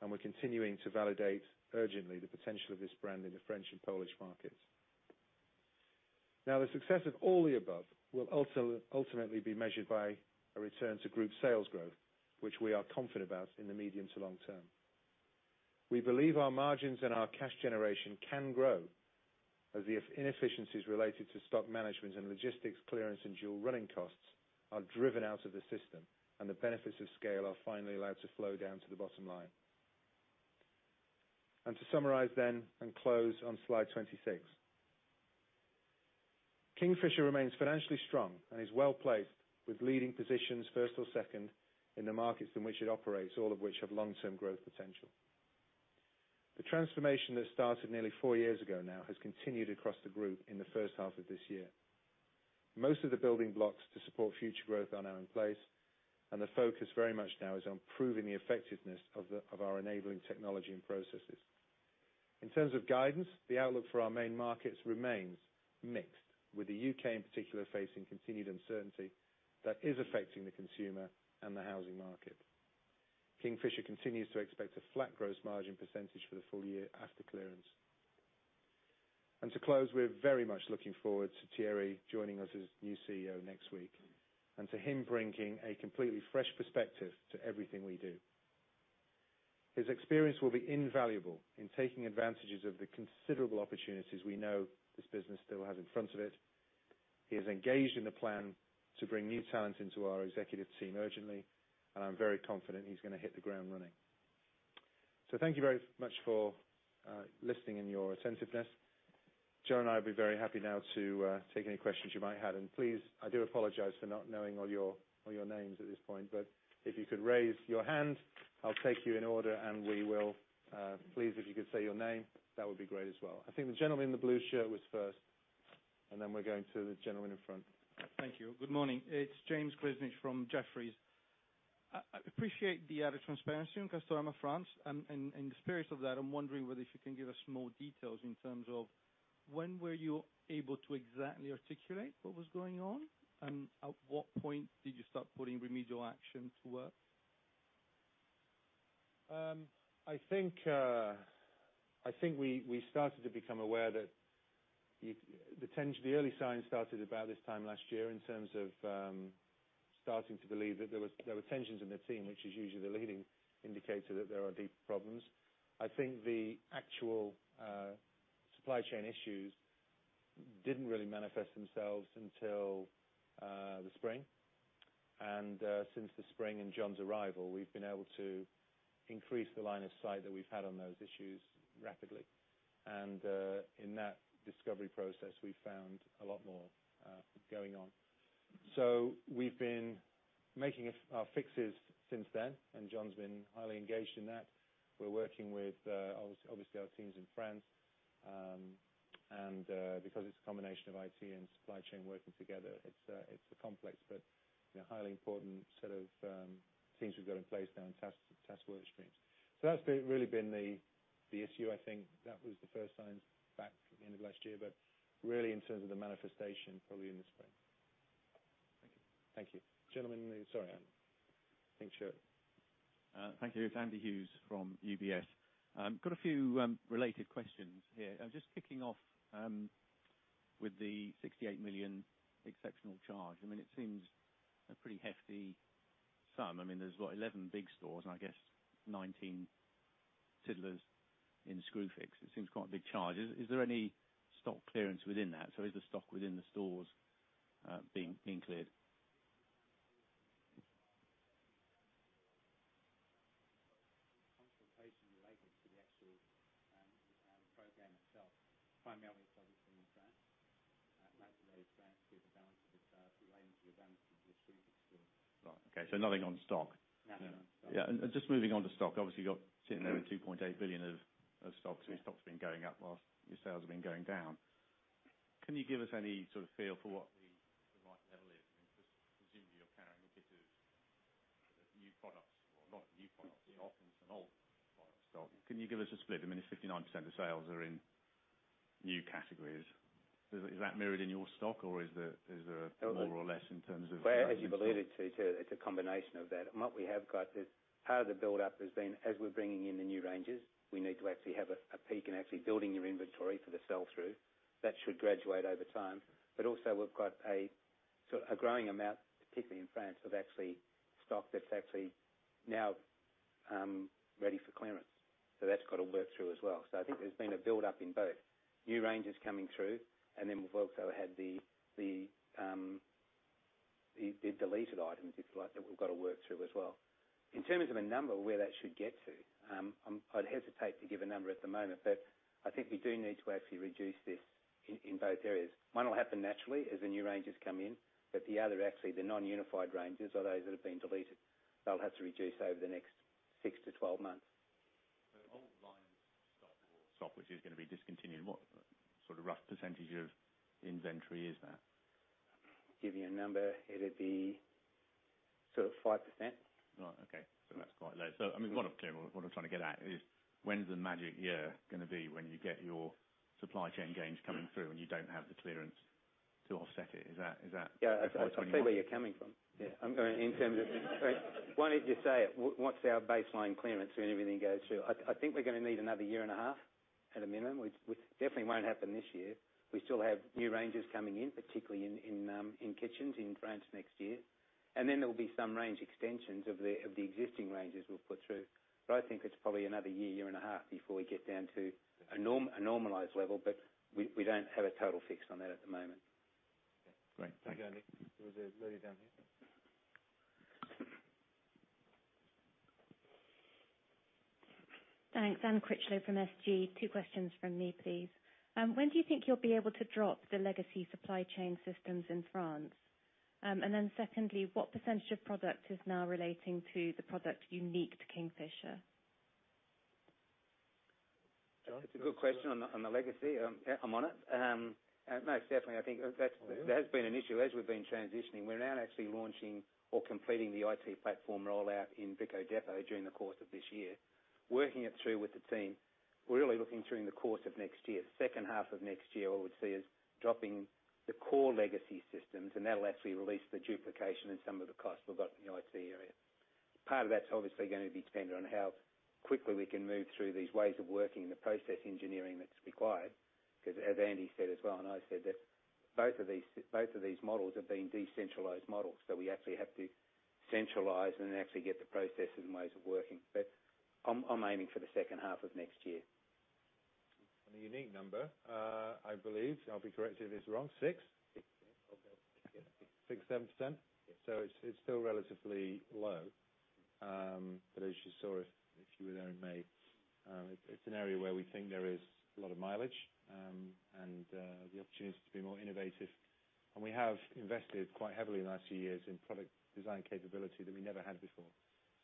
and we're continuing to validate urgently the potential of this brand in the French and Polish markets. The success of all the above will ultimately be measured by a return to group sales growth, which we are confident about in the medium to long term. We believe our margins and our cash generation can grow as the inefficiencies related to stock management and logistics clearance and dual running costs are driven out of the system, and the benefits of scale are finally allowed to flow down to the bottom line. To summarize then and close on Slide 26. Kingfisher remains financially strong and is well-placed with leading positions, first or second, in the markets in which it operates, all of which have long-term growth potential. The transformation that started nearly four years ago now has continued across the group in the first half of this year. Most of the building blocks to support future growth are now in place, and the focus very much now is on proving the effectiveness of our enabling technology and processes. In terms of guidance, the outlook for our main markets remains mixed, with the U.K. in particular facing continued uncertainty that is affecting the consumer and the housing market. Kingfisher continues to expect a flat gross margin % for the full year after clearance. To close, we're very much looking forward to Thierry joining us as new CEO next week, and to him bringing a completely fresh perspective to everything we do. His experience will be invaluable in taking advantages of the considerable opportunities we know this business still has in front of it. He has engaged in the plan to bring new talent into our executive team urgently, and I'm very confident he's going to hit the ground running. Thank you very much for listening and your attentiveness. John and I will be very happy now to take any questions you might have. Please, I do apologize for not knowing all your names at this point, but if you could raise your hand, I'll take you in order. Please, if you could say your name, that would be great as well. I think the gentleman in the blue shirt was first, and then we're going to the gentleman in front. Thank you. Good morning. It's James Grzinic from Jefferies. I appreciate the added transparency on Castorama France. In the spirit of that, I'm wondering whether if you can give us more details in terms of when were you able to exactly articulate what was going on? At what point did you start putting remedial action to work? I think we started to become aware that the early signs started about this time last year in terms of starting to believe that there were tensions in the team, which is usually the leading indicator that there are deep problems. I think the actual supply chain issues didn't really manifest themselves until the spring. Since the spring and John's arrival, we've been able to increase the line of sight that we've had on those issues rapidly. In that discovery process, we found a lot more going on. We've been making our fixes since then, and John's been highly engaged in that. We're working with, obviously, our teams in France. Because it's a combination of IT and supply chain working together, it's complex but highly important set of teams we've got in place now and test work streams. That's really been the issue. I think that was the first signs back end of last year, but really in terms of the manifestation, probably in the spring. Thank you. Thank you. Sorry, I think sure. Thank you. It is Andy Hughes from UBS. Got a few related questions here. Just kicking off with the 68 million exceptional charge. It seems a pretty hefty sum. There is what? 11 big stores and I guess 19 tiddlers in Screwfix. It seems quite a big charge. Is there any stock clearance within that? Is the stock within the stores being cleared? Consultation related to the actual program itself, primarily focused in France. France is the balance of the range of the benefits of the Screwfix stores. Right. Okay. Nothing on stock. Nothing on stock. Yeah. Just moving on to stock, obviously, you're sitting there with 2.8 billion of stock. Your stock's been going up whilst your sales have been going down. Can you give us any sort of feel for what the right level is? I mean, I presume you're carrying indicative new products or not new products, often some old product stock. Can you give us a split? I mean, if 59% of sales are in new categories, is that mirrored in your stock or is there more or less in terms of- Well, as you believe it's a combination of that. What we have got is part of the buildup has been as we're bringing in the new ranges, we need to actually have a peak in actually building your inventory for the sell-through. That should graduate over time. Also we've got a growing amount, particularly in France, of actually stock that's actually now ready for clearance. That's got to work through as well. I think there's been a buildup in both new ranges coming through, and then we've also had the deleted items, if you like, that we've got to work through as well. In terms of a number where that should get to, I'd hesitate to give a number at the moment, but I think we do need to actually reduce this in both areas. One will happen naturally as the new ranges come in, but the other actually, the non-unified ranges are those that have been deleted. They'll have to reduce over the next six to 12 months. The old line stock, which is going to be discontinued, what sort of rough % of inventory is that? Give you a number, it'd be sort of 5%. Right. Okay. That's quite low. I mean, what I'm trying to get at is when's the magic year going to be when you get your supply chain gains coming through and you don't have the clearance to offset it? Yeah. I see where you're coming from. Yeah. In terms of What's our baseline clearance when everything goes through? I think we're going to need another year and a half at a minimum, which definitely won't happen this year. We still have new ranges coming in, particularly in kitchens in France next year. There will be some range extensions of the existing ranges we'll put through. I think it's probably another year and a half before we get down to a normalized level. We don't have a total fix on that at the moment. Great. Thank you. There was a lady down here. Thanks. Anne Critchlow from SG. Two questions from me, please. When do you think you'll be able to drop the legacy supply chain systems in France? Secondly, what percentage of product is now relating to the product unique to Kingfisher? It's a good question on the legacy. I'm on it. Most definitely, I think that has been an issue as we've been transitioning. We're now actually launching or completing the IT platform rollout in Brico Dépôt during the course of this year. Working it through with the team, we're really looking through in the course of next year. Second half of next year, what we'll see is dropping the core legacy systems, and that'll actually release the duplication and some of the costs we've got in the IT area. Part of that's obviously going to be dependent on how quickly we can move through these ways of working and the process engineering that's required. As Andy said as well, and I said that both of these models have been decentralized models. We actually have to centralize and actually get the processes and ways of working. I'm aiming for the second half of next year. On the unique number, I believe, I'll be corrected if it's wrong, six? Six. Okay. 6%, 7%. It's still relatively low. As you saw, if you were there in May, it's an area where we think there is a lot of mileage, and the opportunity to be more innovative. We have invested quite heavily in the last few years in product design capability that we never had before.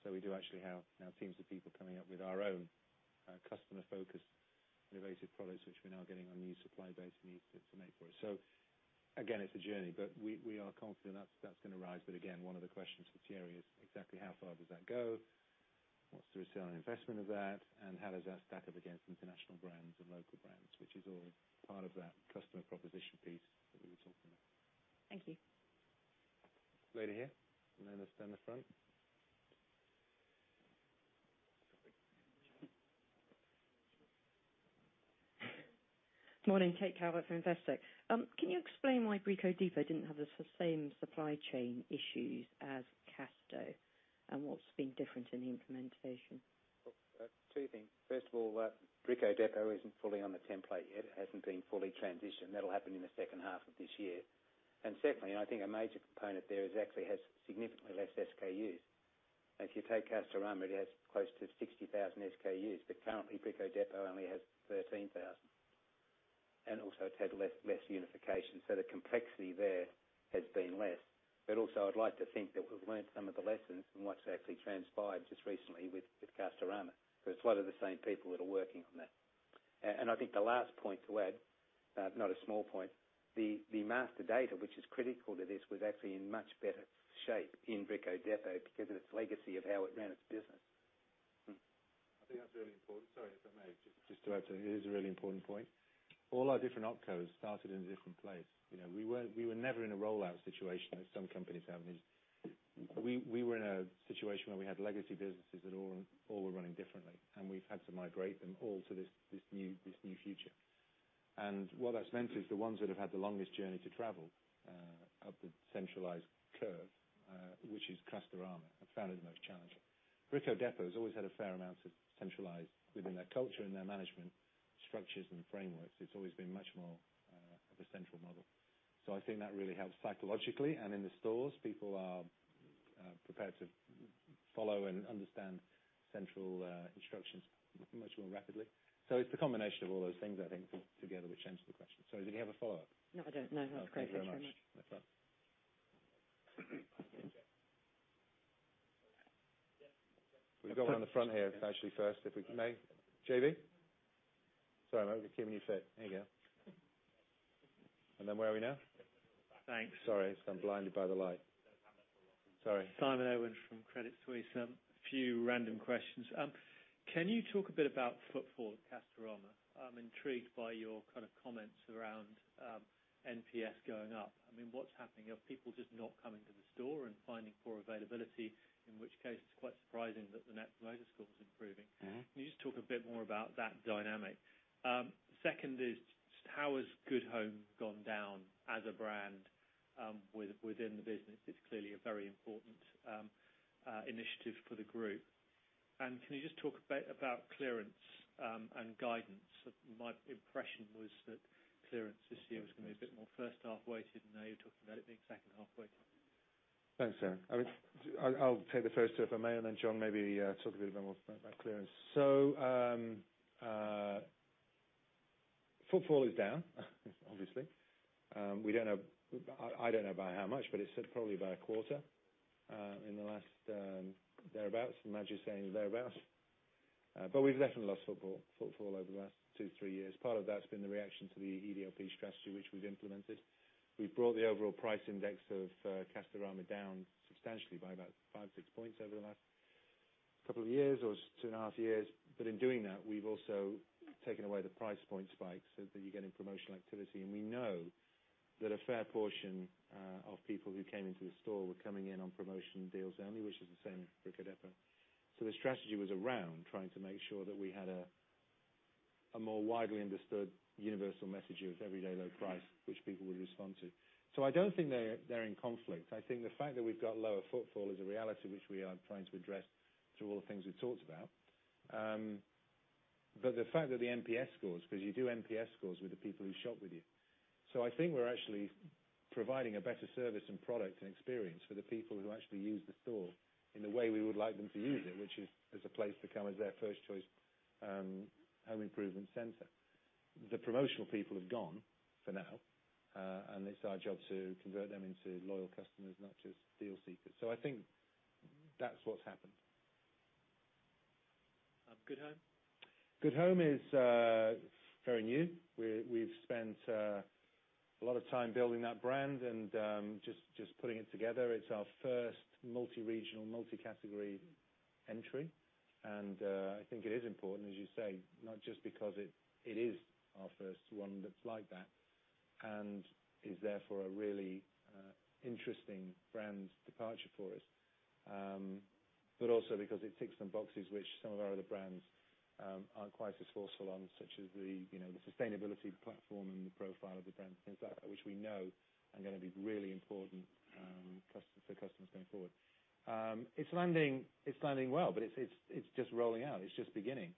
We do actually have now teams of people coming up with our own customer-focused innovative products, which we're now getting our new supply base needs to make for us. Again, it's a journey, but we are confident that's going to rise. Again, one of the questions for Thierry is exactly how far does that go? What's the return on investment of that? How does that stack up against international brands and local brands? Which is all part of that customer proposition piece that we were talking about. Thank you. Lady here, and then let's down the front. Morning, Kate Calvert from Investec. Can you explain why Brico Dépôt didn't have the same supply chain issues as Casto? What's been different in the implantation? Two things. First of all, Brico Dépôt isn't fully on the template yet. It hasn't been fully transitioned. That'll happen in the second half of this year. Secondly, and I think a major component there is actually has significantly less SKUs. If you take Castorama, it has close to 60,000 SKUs, but currently Brico Dépôt only has 13,000. Also, it's had less unification, so the complexity there has been less. Also, I'd like to think that we've learned some of the lessons from what's actually transpired just recently with Castorama. It's a lot of the same people that are working on that. I think the last point to add, not a small point, the master data, which is critical to this, was actually in much better shape in Brico Dépôt because of its legacy of how it ran its business. I think that's really important. Sorry, if I may just to add to it. It is a really important point. All our different opcos started in a different place. We were never in a rollout situation as some companies have. We were in a situation where we had legacy businesses that all were running differently, and we've had to migrate them all to this new future. What that's meant is the ones that have had the longest journey to travel up the centralized curve, which is Castorama, have found it the most challenging. Brico Dépôt has always had a fair amount of centralized within their culture and their management structures and frameworks. It's always been much more of a central model. I think that really helps psychologically, and in the stores, people are prepared to follow and understand central instructions much more rapidly. It's the combination of all those things, I think, together which answers the question. Sorry, did you have a follow-up? No, I don't. No. Okay. Thank you very much. No problem. We'll go on the front here actually first, if we may. JV? Sorry, mate, we keep moving you. There you go. Where are we now? Thanks. Sorry. I'm blinded by the light. Sorry. Simon Irwin from Credit Suisse. A few random questions. Can you talk a bit about footfall at Castorama? I'm intrigued by your comments around NPS going up. What's happening? Are people just not coming to the store and finding poor availability? In which case, it's quite surprising that the Net Promoter Score is improving. Can you just talk a bit more about that dynamic? Second is, how has GoodHome gone down as a brand within the business? It's clearly a very important initiative for the group. Can you just talk a bit about clearance and guidance? My impression was that clearance this year was going to be a bit more first half weighted, and now you're talking about it being second half weighted. Thanks, Simon. I'll take the first two, if I may, and then John maybe talk a bit more about clearance. Footfall is down, obviously. I don't know by how much, but it's probably by a quarter in the last thereabouts. Majid is saying thereabouts. We've definitely lost footfall over the last two, three years. Part of that's been the reaction to the EDLP strategy which we've implemented. We've brought the overall price index of Castorama down substantially by about five, six points over the last couple of years or two and a half years. In doing that, we've also taken away the price point spikes that you get in promotional activity, and we know that a fair portion of people who came into the store were coming in on promotion deals only, which is the same for Brico Dépôt. The strategy was around trying to make sure that we had a more widely understood universal message of everyday low price, which people would respond to. I don't think they're in conflict. I think the fact that we've got lower footfall is a reality which we are trying to address through all the things we've talked about. The fact that the NPS scores, because you do NPS scores with the people who shop with you. I think we're actually providing a better service and product and experience for the people who actually use the store in the way we would like them to use it, which is as a place to come as their first choice home improvement center. The promotional people have gone for now, and it's our job to convert them into loyal customers, not just deal seekers. I think that's what's happened. GoodHome? GoodHome is very new. We've spent a lot of time building that brand and just putting it together. It's our first multi-regional, multi-category entry, and I think it is important, as you say, not just because it is our first one that's like that and is therefore a really interesting brand departure for us. Also because it ticks some boxes which some of our other brands aren't quite as forceful on, such as the sustainability platform and the profile of the brand, things that which we know are going to be really important for customers going forward. It's landing well, but it's just rolling out. It's just beginning.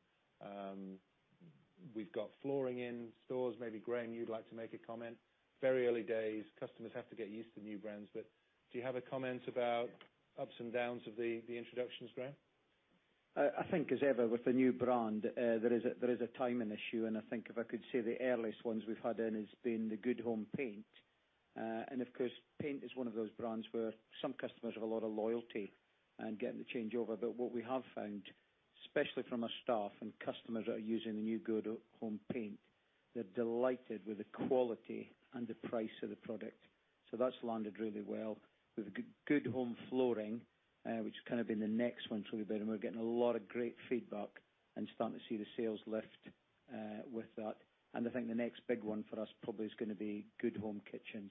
We've got flooring in stores. Maybe Graham, you'd like to make a comment? Very early days. Customers have to get used to new brands. Do you have a comment about ups and downs of the introductions, Graham? I think as ever with a new brand, there is a timing issue, I think if I could say, the earliest ones we've had then has been the GoodHome paint. Of course, paint is one of those brands where some customers have a lot of loyalty and getting the changeover. What we have found, especially from our staff and customers that are using the new GoodHome paint, they're delighted with the quality and the price of the product. That's landed really well. With GoodHome flooring, which has kind of been the next one to lead, and we're getting a lot of great feedback and starting to see the sales lift with that. I think the next big one for us probably is going to be GoodHome kitchens,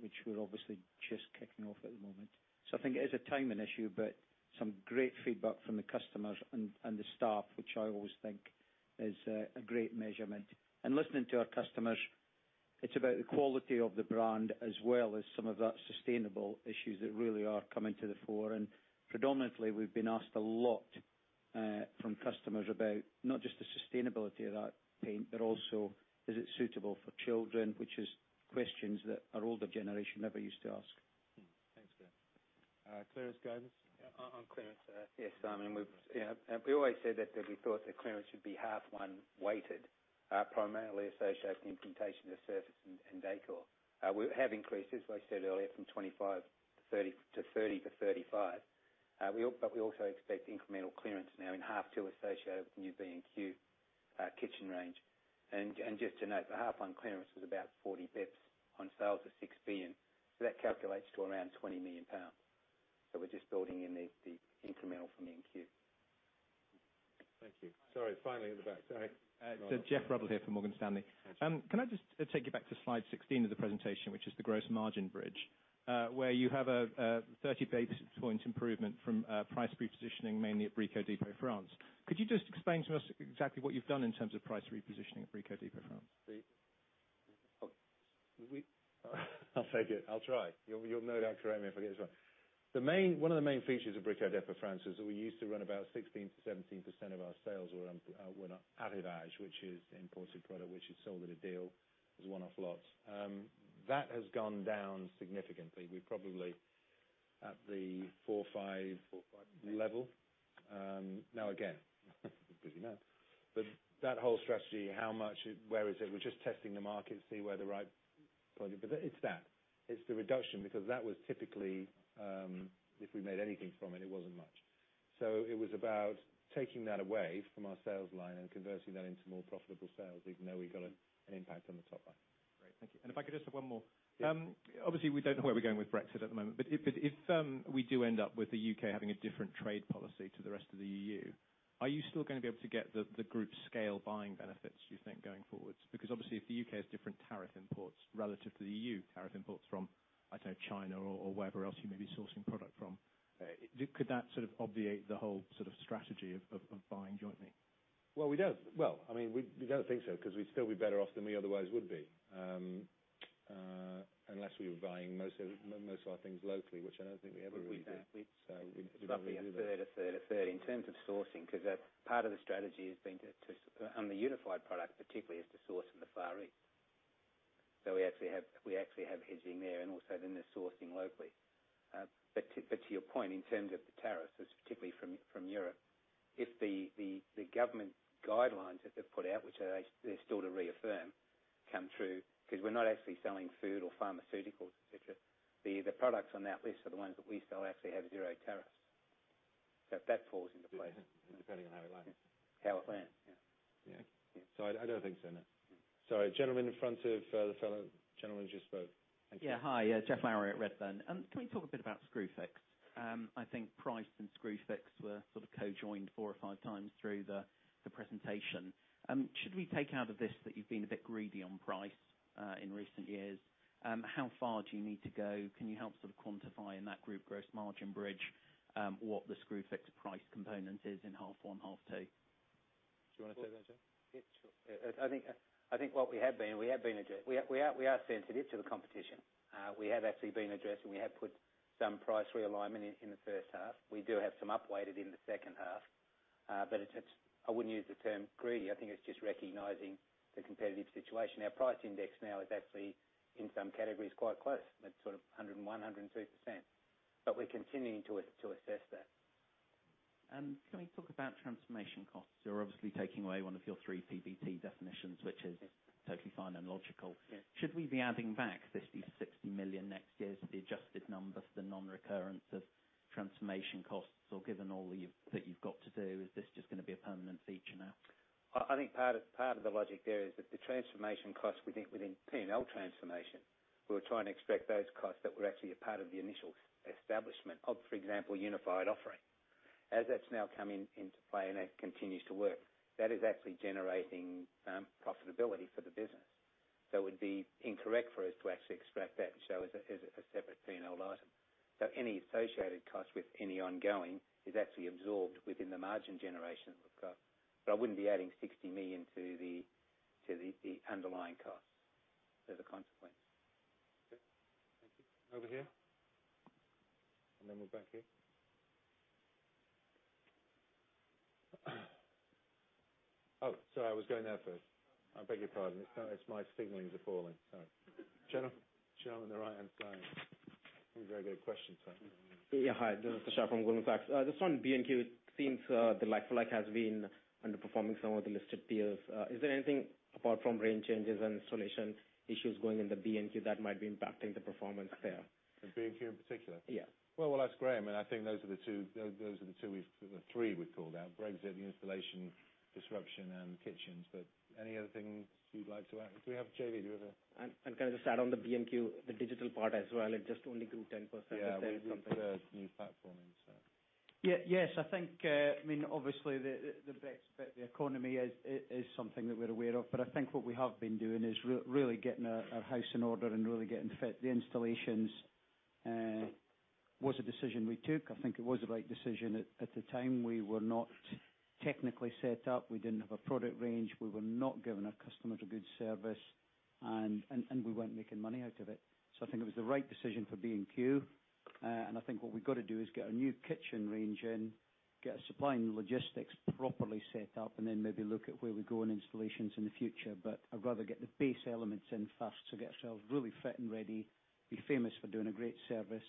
which we're obviously just kicking off at the moment. I think it is a timing issue, but some great feedback from the customers and the staff, which I always think is a great measurement. Listening to our customers, it's about the quality of the brand as well as some of that sustainable issues that really are coming to the fore. Predominantly, we've been asked a lot from customers about not just the sustainability of that paint, but also is it suitable for children, which is questions that our older generation never used to ask. Clearance, Graham? Yeah, on clearance. Yes, Simon, we've always said that we thought that clearance should be half one weighted, primarily associated with implantation, surface, and decor. We have increased, as I said earlier, from 25 to 30 to 35. We also expect incremental clearance now in half two associated with the new B&Q kitchen range. Just to note, the half one clearance was about 40 basis points on sales of 6 billion. That calculates to around 20 million pounds. We're just building in the incremental from B&Q. Thank you. Sorry, finally in the back. Sorry. It's Geoff Lowery here from Morgan Stanley. That's all right. Can I just take you back to slide 16 of the presentation, which is the gross margin bridge, where you have a 30 basis point improvement from price repositioning, mainly at Brico Depôt France. Could you just explain to us exactly what you've done in terms of price repositioning at Brico Depôt France? I'll take it. I'll try. You'll no doubt correct me if I get it wrong. One of the main features of Brico Dépôt France is that we used to run about 16%-17% of our sales were on arrivages, which is imported product, which is sold at a deal as one-off lots. That has gone down significantly. We're probably at the four or five. Four or five. level now again because you know. That whole strategy, how much, where is it? We're just testing the market to see where the right point is. It's that. It's the reduction, because that was typically, if we made anything from it wasn't much. It was about taking that away from our sales line and converting that into more profitable sales, even though we got an impact on the top line. Great. Thank you. If I could just have one more. Yeah. We don't know where we're going with Brexit at the moment. If we do end up with the U.K. having a different trade policy to the rest of the EU, are you still going to be able to get the group scale buying benefits, do you think, going forward? Obviously, if the U.K. has different tariff imports relative to the EU tariff imports from, I don't know, China or wherever else you may be sourcing product from, could that sort of obviate the whole strategy of buying jointly? We don't think so because we'd still be better off than we otherwise would be. Unless we were buying most of our things locally, which I don't think we ever really do. We probably a third, a third, a third in terms of sourcing, because part of the strategy has been to, on the unified product particularly, is to source from the Far East. We actually have hedging there and also then they're sourcing locally. To your point, in terms of the tariffs, particularly from Europe, if the government guidelines that they've put out, which they're still to reaffirm, come through, because we're not actually selling food or pharmaceuticals, et cetera. The products on that list are the ones that we sell actually have zero tariffs. That falls into place. Depending on how we like it. How it lands. Yeah. I don't think so, no. Sorry, gentleman in front of the fellow gentleman who just spoke. Thank you. Yeah, hi. Geoff Lowery at Redburn. Can we talk a bit about Screwfix? I think price and Screwfix were sort of co-joined four or five times through the presentation. Should we take out of this that you've been a bit greedy on price in recent years? How far do you need to go? Can you help sort of quantify in that group gross margin bridge what the Screwfix price component is in half one, half two? Do you want to say that, Graham? Yeah, sure. I think we are sensitive to the competition. We have actually been addressing, we have put some price realignment in the first half. We do have some upweighted in the second half. I wouldn't use the term greedy. I think it's just recognizing the competitive situation. Our price index now is actually, in some categories, quite close. It's sort of 101, 102%. We're continuing to assess that. Can we talk about transformation costs? You're obviously taking away one of your three PBT definitions, which is totally fine and logical. Yeah. Should we be adding back 50 million-60 million next year to the adjusted number for the non-recurrence of transformation costs? Given all that you've got to do, is this just going to be a permanent feature now? I think part of the logic there is that the transformation costs within P&L transformation, we were trying to extract those costs that were actually a part of the initial establishment of, for example, unified offering. As that's now come into play and it continues to work, that is actually generating profitability for the business. It would be incorrect for us to actually extract that and show as a separate P&L item. Any associated cost with any ongoing is actually absorbed within the margin generation of the cost. I wouldn't be adding 60 million to the underlying costs as a consequence. Okay. Thank you. Over here, and then we're back here. Oh, sorry, I was going there first. I beg your pardon. It's my signalings are falling. Sorry. Gentleman on the right-hand side. You have a very good question, sir. Yeah, hi. Tasha from Goldman Sachs. Just on B&Q, it seems the like for like has been underperforming some of the listed peers. Is there anything apart from range changes and installation issues going in the B&Q that might be impacting the performance there? The B&Q in particular? Yeah. Well, I'll ask Graham. I think those are the three we've called out, Brexit, the installation disruption, and kitchens. Any other things you'd like to add? Do we have Jamie? Kind of just add on the B&Q, the digital part as well. It just only grew 10%, I'd say, or something. Yeah, we put a new platform in. I think, obviously, the economy is something that we're aware of. I think what we have been doing is really getting our house in order and really getting fit. The installations was a decision we took. I think it was the right decision at the time. We were not technically set up. We didn't have a product range. We were not giving our customers a good service, and we weren't making money out of it. I think it was the right decision for B&Q, and I think what we've got to do is get our new kitchen range in. Get our supply and logistics properly set up, and then maybe look at where we go on installations in the future. I'd rather get the base elements in first to get ourselves really fit and ready, be famous for doing a great service,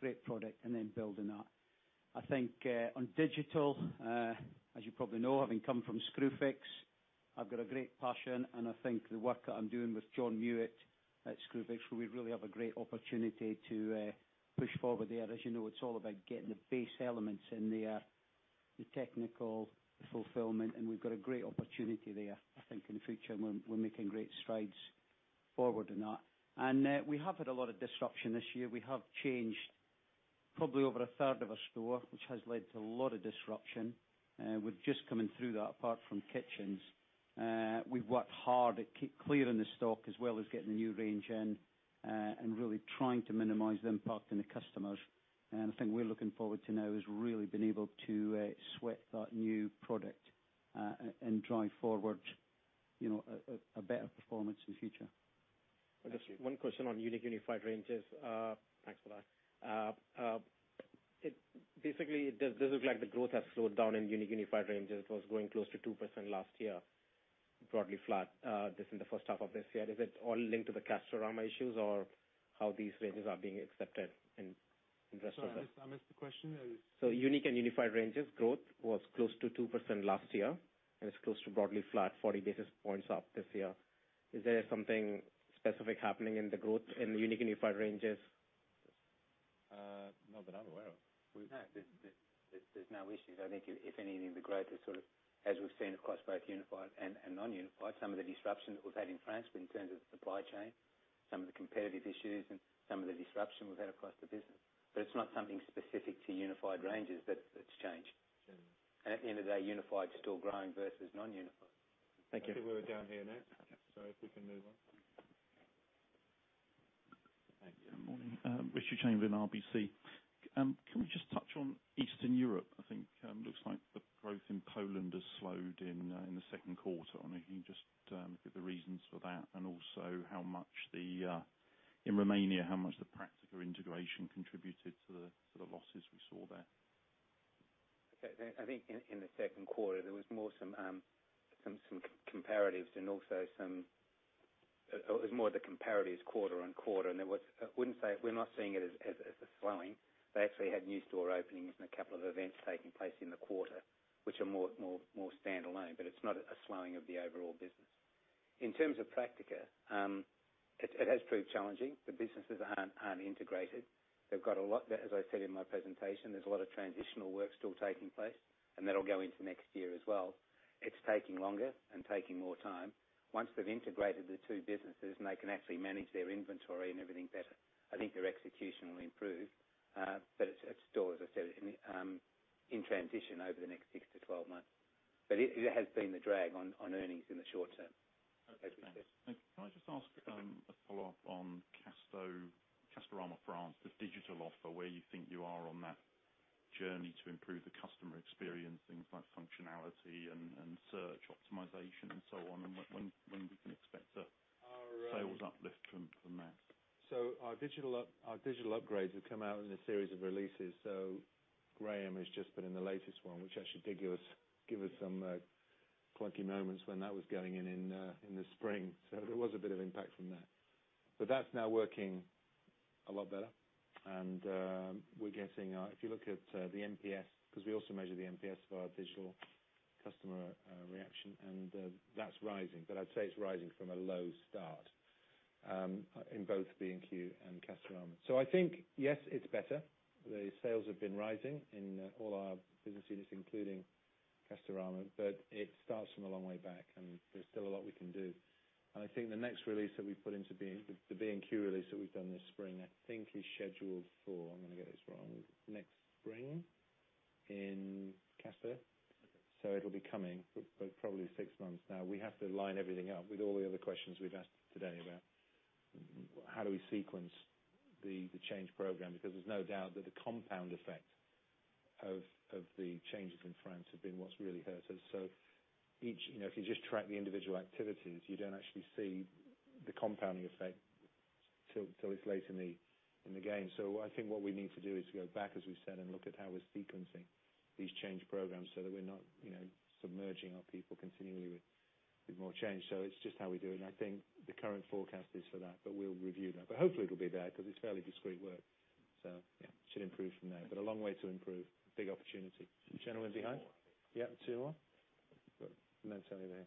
great product, and then building that. I think on digital, as you probably know, having come from Screwfix, I've got a great passion, and I think the work that I'm doing with John Mewett at Screwfix, where we really have a great opportunity to push forward there. As you know, it's all about getting the base elements in there, the technical fulfillment, and we've got a great opportunity there, I think, in the future, and we're making great strides forward in that. We have had a lot of disruption this year. We have changed probably over a third of our store, which has led to a lot of disruption. We're just coming through that, apart from kitchens. We've worked hard at clearing the stock as well as getting the new range in, and really trying to minimize the impact on the customers. The thing we're looking forward to now is really being able to sweat that new product, and drive forward a better performance in the future. Just one question on unique unified ranges. Thanks for that. Basically, does it look like the growth has slowed down in unique unified ranges? It was growing close to 2% last year, broadly flat, this in the first half of this year. Is it all linked to the Castorama issues or how these ranges are being accepted in the rest of the? Sorry, I missed the question. Unique and unified ranges growth was close to 2% last year, and it's close to broadly flat 40 basis points up this year. Is there something specific happening in the growth in the unique unified ranges? Not that I'm aware of. No. There's no issues. I think if anything, the growth is sort of, as we've seen across both unified and non-unified, some of the disruption that we've had in France in terms of the supply chain, some of the competitive issues and some of the disruption we've had across the business. It's not something specific to unified ranges that's changed. Sure. At the end of the day, unified is still growing versus non-unified. Thank you. I think we were down here next. Okay. If we can move on. Thank you. Morning. Richard Chamberlain, RBC. Can we just touch on Eastern Europe? I think it looks like the growth in Poland has slowed in the second quarter. I'm wondering if you can just give the reasons for that and also in Romania, how much the Praktiker integration contributed to the losses we saw there? Okay. I think in the second quarter, there was more some comparatives quarter on quarter, I wouldn't say we're not seeing it as a slowing. They actually had new store openings and a couple of events taking place in the quarter, which are more standalone, it's not a slowing of the overall business. In terms of Praktiker, it has proved challenging. The businesses aren't integrated. As I said in my presentation, there's a lot of transitional work still taking place, and that'll go into next year as well. It's taking longer and taking more time. Once they've integrated the two businesses and they can actually manage their inventory and everything better, I think their execution will improve. It's still, as I said, in transition over the next 6-12 months. It has been the drag on earnings in the short term. Okay. Thanks. Thanks. Can I just ask a follow-up on Castorama France, the digital offer, where you think you are on that journey to improve the customer experience, things like functionality and search optimization and so on, and when we can expect? All right. sales uplift from that? Our digital upgrades have come out in a series of releases. Graham has just been in the latest one, which actually did give us some clunky moments when that was going in in the spring. There was a bit of impact from that. That's now working a lot better. If you look at the NPS, because we also measure the NPS via digital customer reaction, and that's rising. I'd say it's rising from a low start, in both B&Q and Castorama. I think, yes, it's better. The sales have been rising in all our business units, including Castorama, but it starts from a long way back, and there's still a lot we can do. I think the next release that we put into the B&Q release that we've done this spring, I think is scheduled for, I'm going to get this wrong, next spring in Casto. It'll be coming, but probably six months now. We have to line everything up with all the other questions we've asked today about how do we sequence the change program, because there's no doubt that the compound effect of the changes in France have been what's really hurt us. If you just track the individual activities, you don't actually see the compounding effect till it's late in the game. I think what we need to do is to go back, as we said, and look at how we're sequencing these change programs so that we're not submerging our people continually with more change. It's just how we do it, and I think the current forecast is for that, but we'll review that. Hopefully it'll be there because it's fairly discrete work. Yeah, it should improve from there. A long way to improve. Big opportunity. The gentleman behind. Two more. Yeah, two more. No, it's only there.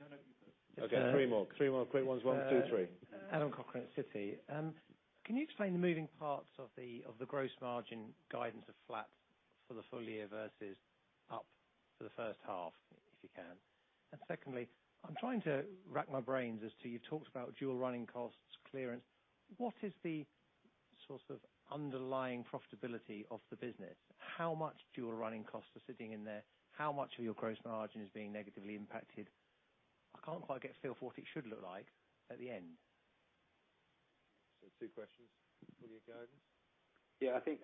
No, you first. Okay. Three more. Three more quick ones. One, two, three. Adam Cochrane, Citi. Can you explain the moving parts of the gross margin guidance of flat for the full year versus up for the first half, if you can? Secondly, I'm trying to rack my brains as to, you talked about dual running costs, clearance. What is the sort of underlying profitability of the business? How much dual running costs are sitting in there? How much of your gross margin is being negatively impacted? I can't quite get a feel for what it should look like at the end. Two questions. Full-year guidance. I think,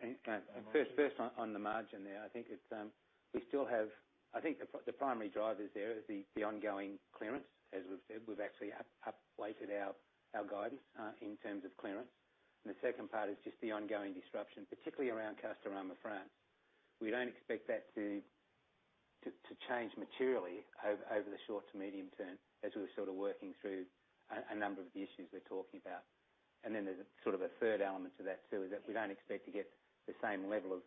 first on the margin there. I think the primary drivers there is the ongoing clearance. As we've said, we've actually updated our guidance in terms of clearance. The second part is just the ongoing disruption, particularly around Castorama France. We don't expect that to change materially over the short to medium term, as we're sort of working through a number of the issues we're talking about. There's a third element to that too, is that we don't expect to get the same level of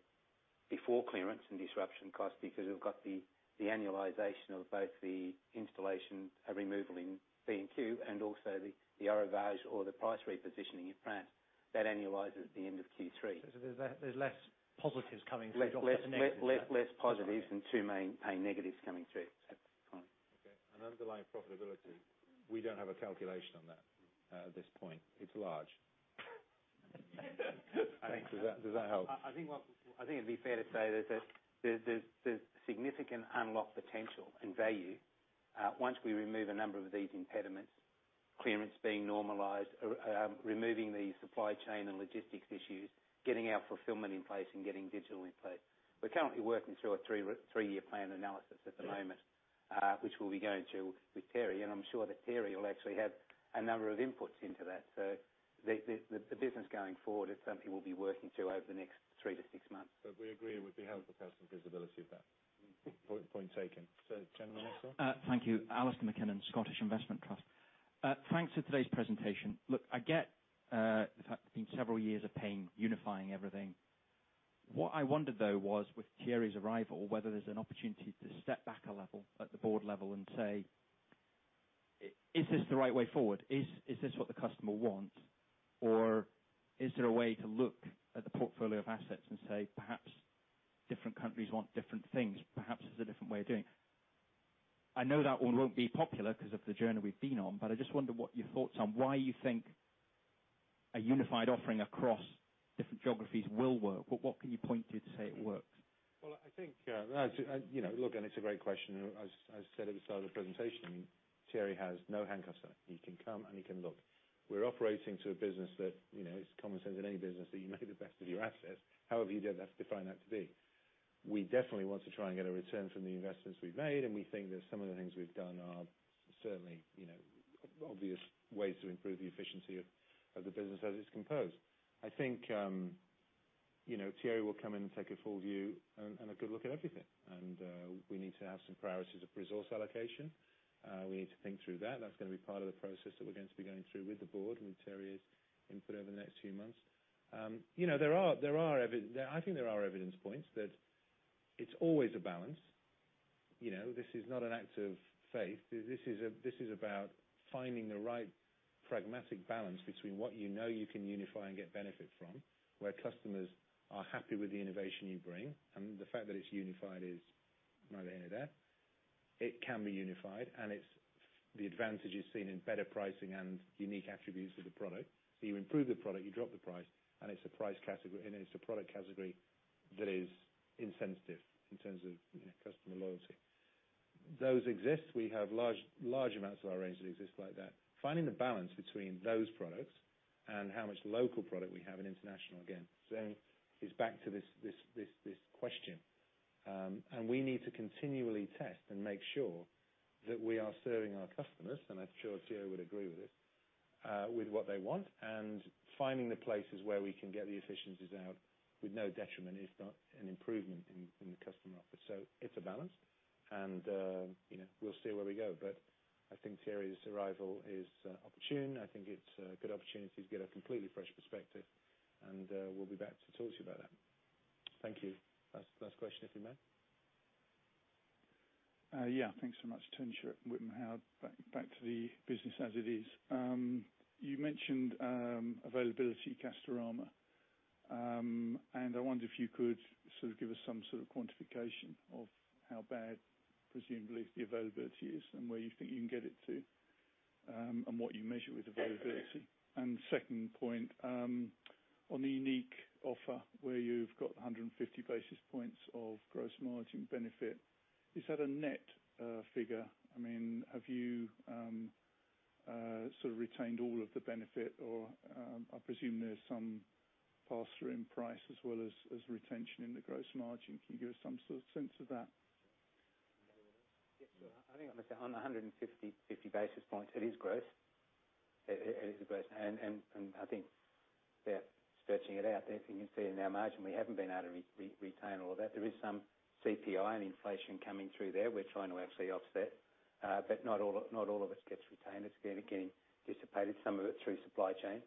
before clearance and disruption cost because we've got the annualization of both the installation and removal in B&Q, and also the RO value or the price repositioning in France that annualizes at the end of Q3. There's less positives coming through. Less positives and two main negatives coming through. Fine. Okay. Underlying profitability, we don't have a calculation on that at this point. It's large. Does that help? I think it'd be fair to say there's significant unlocked potential and value once we remove a number of these impediments, clearance being normalized, removing the supply chain and logistics issues, getting our fulfillment in place and getting digital in place. We're currently working through a three-year plan analysis at the moment, which we'll be going to with Thierry. I'm sure that Thierry will actually have a number of inputs into that. The business going forward is something we'll be working to over the next three to six months. We agree it would be helpful to have some visibility of that. Point taken. 10 minutes left. Thank you. Alasdair McKinnon, Scottish Investment Trust. Thanks for today's presentation. Look, I get the fact it's been several years of pain unifying everything. What I wondered, though, was with Thierry's arrival, whether there's an opportunity to step back a level at the board level and say, "Is this the right way forward? Is this what the customer wants?" Is there a way to look at the portfolio of assets and say, perhaps different countries want different things, perhaps there's a different way of doing it. I know that one won't be popular because of the journey we've been on, but I just wonder what your thoughts on why you think a unified offering across different geographies will work. What can you point to to say it works? Well, I think it's a great question. As I said at the start of the presentation, Thierry has no handcuffs on. He can come and he can look. We're operating to a business that it's common sense in any business that you make the best of your assets, however you then have to define that to be. We definitely want to try and get a return from the investments we've made, and we think that some of the things we've done are certainly obvious ways to improve the efficiency of the business as it's composed. I think Thierry will come in and take a full view and a good look at everything. We need to have some priorities of resource allocation. We need to think through that. That's going to be part of the process that we're going to be going through with the board, with Thierry's input over the next few months. I think there are evidence points that it's always a balance. This is not an act of faith. This is about finding the right pragmatic balance between what you know you can unify and get benefit from, where customers are happy with the innovation you bring. The fact that it's unified is neither here nor there. It can be unified, and the advantage is seen in better pricing and unique attributes of the product. You improve the product, you drop the price, and it's a product category that is insensitive in terms of customer loyalty. Those exist. We have large amounts of our range that exist like that. Finding the balance between those products and how much local product we have in international again is back to this question. We need to continually test and make sure that we are serving our customers, and I'm sure Thierry would agree with this, with what they want, and finding the places where we can get the efficiencies out with no detriment, if not an improvement in the customer offer. It's a balance, and we'll see where we go. I think Thierry's arrival is opportune. I think it's a good opportunity to get a completely fresh perspective, and we'll be back to talk to you about that. Thank you. Last question, if we may. Yeah. Thanks so much. Tim Sykes, Whitman Howard. Back to the business as it is. You mentioned availability, Castorama. I wonder if you could give us some sort of quantification of how bad presumably the availability is and where you think you can get it to, and what you measure with availability. Second point, on the unique offer where you've got 150 basis points of gross margin benefit, is that a net figure? Have you sort of retained all of the benefit or, I presume there's some pass-through in price as well as retention in the gross margin. Can you give us some sort of sense of that? I think I must say on the 150 basis points, it is gross. I think they're stretching it out there. As you can see in our margin, we haven't been able to retain all of that. There is some CPI and inflation coming through there we're trying to actually offset. Not all of it gets retained. It's again dissipated, some of it through supply chain.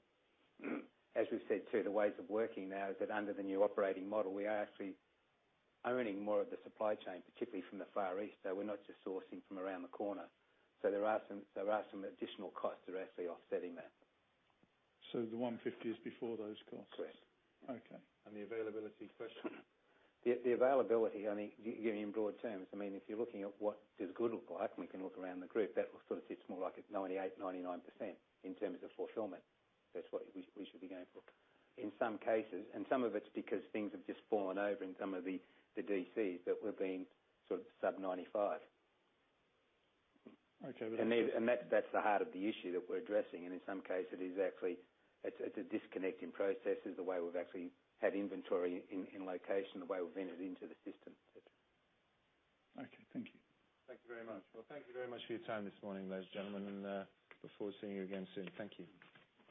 As we've said, too, the ways of working now is that under the new operating model, we are actually owning more of the supply chain, particularly from the Far East, though we're not just sourcing from around the corner. There are some additional costs we're actually offsetting there. The 150 is before those costs? Correct. Okay. The availability question? The availability, I mean, giving you in broad terms, if you're looking at what does good look like, and we can look around the group, that will sort of sit more like at 98%, 99% in terms of fulfillment. That's what we should be going for. In some cases, some of it's because things have just fallen over in some of the DCs that we're being sort of sub 95%. Okay. That's the heart of the issue that we're addressing. In some case, it's a disconnect in processes, the way we've actually had inventory in location, the way we've entered into the system. Okay. Thank you. Thank you very much. Well, thank you very much for your time this morning, ladies and gentlemen, and look forward to seeing you again soon. Thank you.